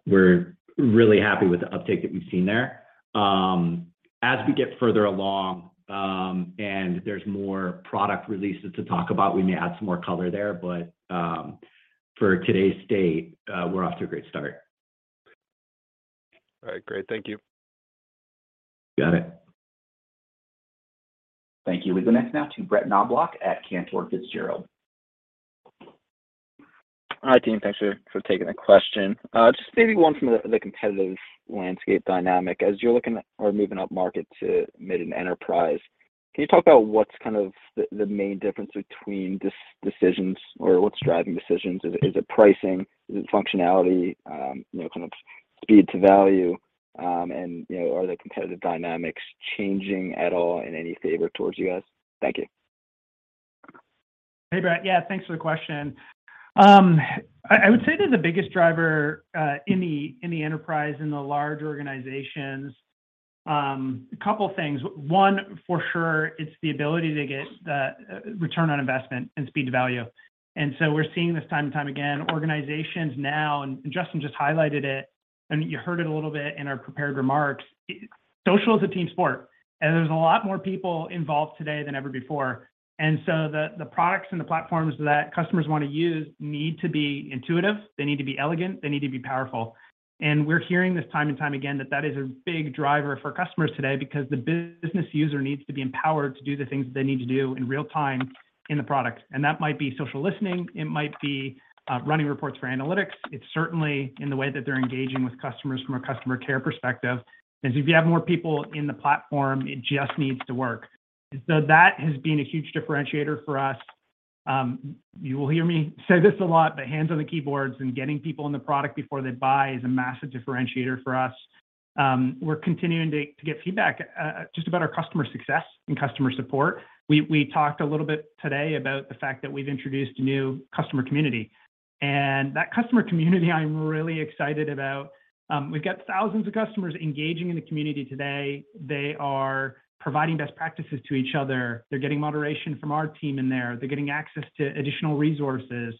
we're really happy with the uptake that we've seen there. As we get further along, and there's more product releases to talk about, we may add some more color there, but for today's date, we're off to a great start. All right. Great. Thank you. Got it. Thank you. We go next now to Brett Knoblauch at Cantor Fitzgerald. Hi, team. Thanks for taking the question. Just maybe one from the competitive landscape dynamic. As you're looking or moving up market to mid and enterprise, can you talk about what's kind of the main difference between decisions or what's driving decisions? Is it pricing? Is it functionality? You know, kind of speed to value, and you know, are the competitive dynamics changing at all in any favor towards you guys? Thank you. Hey, Brett. Yeah, thanks for the question. I would say that the biggest driver in the enterprise, in the large organizations, a couple things. One, for sure, it's the ability to get the return on investment and speed to value. We're seeing this time and time again. Organizations now, and Justyn just highlighted it, and you heard it a little bit in our prepared remarks, social is a team sport, and there's a lot more people involved today than ever before. The products and the platforms that customers wanna use need to be intuitive. They need to be elegant. They need to be powerful. We're hearing this time and time again, that that is a big driver for customers today because the business user needs to be empowered to do the things that they need to do in real time in the product. That might be social listening. It might be running reports for analytics. It's certainly in the way that they're engaging with customers from a customer care perspective, if you have more people in the platform, it just needs to work. That has been a huge differentiator for us. You will hear me say this a lot, but hands on the keyboards and getting people in the product before they buy is a massive differentiator for us. We're continuing to get feedback just about our customer success and customer support. We talked a little bit today about the fact that we've introduced a new customer community. That customer community I'm really excited about. We've got thousands of customers engaging in the community today. They are providing best practices to each other. They're getting moderation from our team in there. They're getting access to additional resources.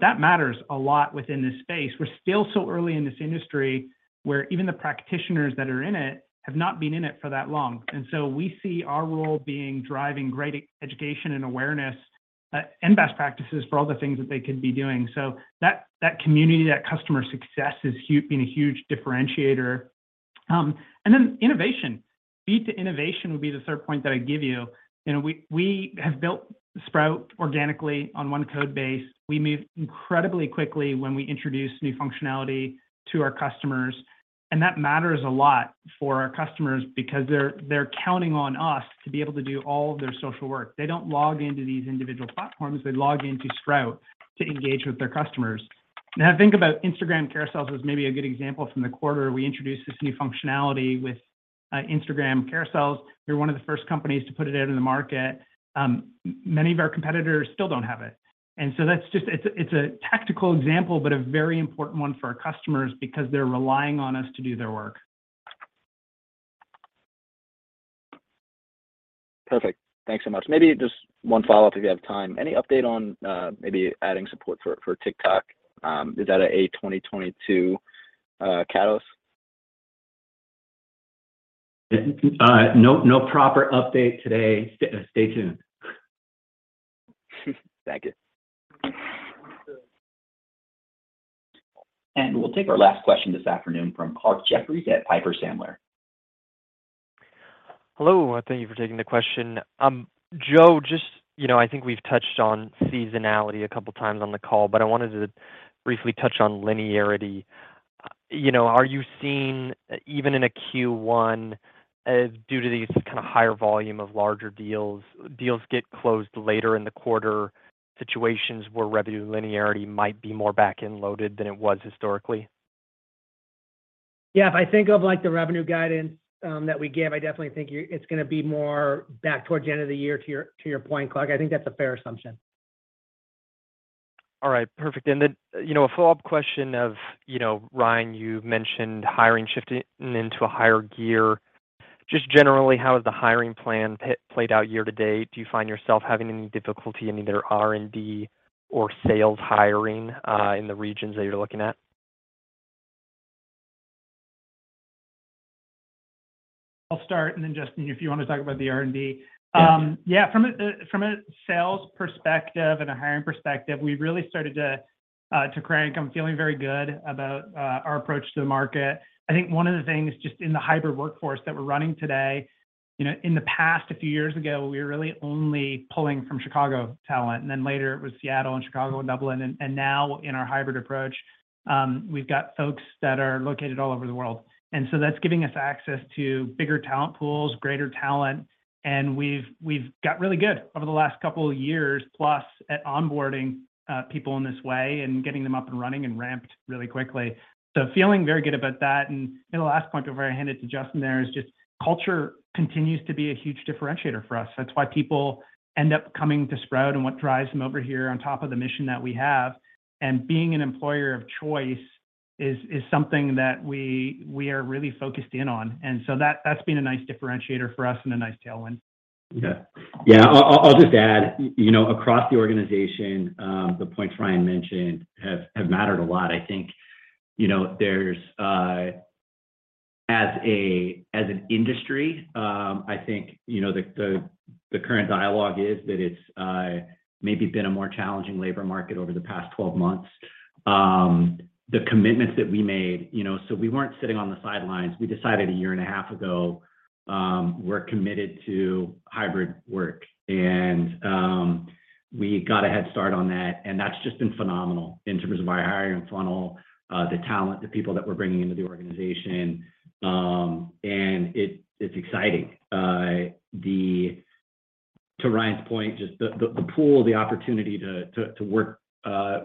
That matters a lot within this space. We're still so early in this industry, where even the practitioners that are in it have not been in it for that long. We see our role being driving great education and awareness, and best practices for all the things that they could be doing. That community, that customer success has been a huge differentiator. Innovation. Speed to innovation would be the third point that I'd give you. You know, we have built Sprout organically on one code base. We move incredibly quickly when we introduce new functionality to our customers, and that matters a lot for our customers because they're counting on us to be able to do all of their social work. They don't log into these individual platforms. They log into Sprout to engage with their customers. Now think about Instagram carousels as maybe a good example from the quarter. We introduced this new functionality with Instagram carousels. We're one of the first companies to put it out in the market. Many of our competitors still don't have it. That's just it. It's a tactical example, but a very important one for our customers because they're relying on us to do their work. Perfect. Thanks so much. Maybe just one follow-up if you have time. Any update on maybe adding support for TikTok? Is that a 2022 catalyst? No proper update today. Stay tuned. Thank you. We'll take our last question this afternoon from Clarke Jeffries at Piper Sandler. Hello. Thank you for taking the question. Joe, just, you know, I think we've touched on seasonality a couple times on the call, but I wanted to briefly touch on linearity. You know, are you seeing, even in a Q1, due to these kind of higher volume of larger deals get closed later in the quarter situations where revenue linearity might be more back-end loaded than it was historically? Yeah. If I think of, like, the revenue guidance that we give, I definitely think it's gonna be more back towards the end of the year to your point, Clarke. I think that's a fair assumption. All right. Perfect. You know, a follow-up question of, you know, Ryan, you mentioned hiring shifting into a higher gear. Just generally, how has the hiring plan played out year to date? Do you find yourself having any difficulty in either R&D or sales hiring, in the regions that you're looking at? I'll start, and then Justyn, if you want to talk about the R&D.Yeah, from a sales perspective and a hiring perspective, we really started to crank. I'm feeling very good about our approach to the market. I think one of the things just in the hybrid workforce that we're running today, you know, in the past, a few years ago, we were really only pulling from Chicago talent, and then later it was Seattle and Chicago and Dublin. Now in our hybrid approach, we've got folks that are located all over the world. That's giving us access to bigger talent pools, greater talent, and we've got really good over the last couple of years plus at onboarding people in this way and getting them up and running and ramped really quickly. Feeling very good about that. You know, the last point before I hand it to Justyn there is just culture continues to be a huge differentiator for us. That's why people end up coming to Sprout and what drives them over here on top of the mission that we have. Being an employer of choice is something that we are really focused in on. That's been a nice differentiator for us and a nice tailwind. I'll just add, you know, across the organization, the points Ryan mentioned have mattered a lot. I think, you know, as an industry, I think, you know, the current dialogue is that it's maybe been a more challenging labor market over the past 12 months. The commitments that we made, you know, we weren't sitting on the sidelines. We decided a year and a half ago, we're committed to hybrid work, and we got a head start on that, and that's just been phenomenal in terms of our hiring funnel, the talent, the people that we're bringing into the organization. It's exciting. To Ryan's point, just the pool, the opportunity to work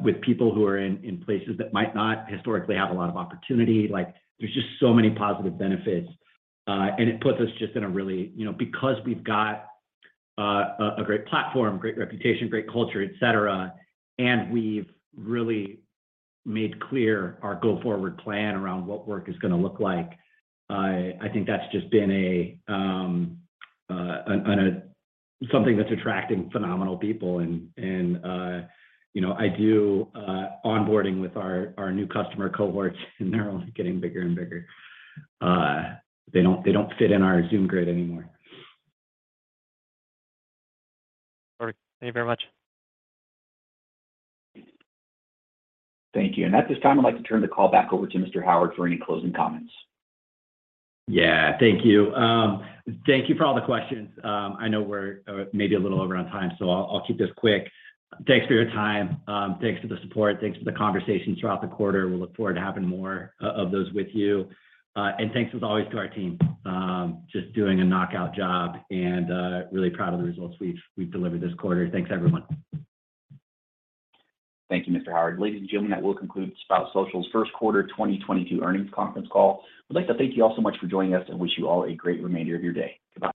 with people who are in places that might not historically have a lot of opportunity. Like, there's just so many positive benefits. It puts us just in a really you know, because we've got a great platform, great reputation, great culture, et cetera, and we've really made clear our go-forward plan around what work is gonna look like. I think that's just been a something that's attracting phenomenal people and you know, I do onboarding with our new customer cohorts, and they're only getting bigger and bigger. They don't fit in our Zoom grid anymore. All right. Thank you very much. Thank you. At this time, I'd like to turn the call back over to Mr. Howard for any closing comments. Yeah. Thank you. Thank you for all the questions. I know we're maybe a little over on time, so I'll keep this quick. Thanks for your time. Thanks for the support. Thanks for the conversations throughout the quarter. We look forward to having more of those with you. Thanks as always to our team, just doing a knockout job and really proud of the results we've delivered this quarter. Thanks, everyone. Thank you, Mr. Howard. Ladies and gentlemen, that will conclude Sprout Social's first quarter 2022 earnings conference call. We'd like to thank you all so much for joining us and wish you all a great remainder of your day. Goodbye.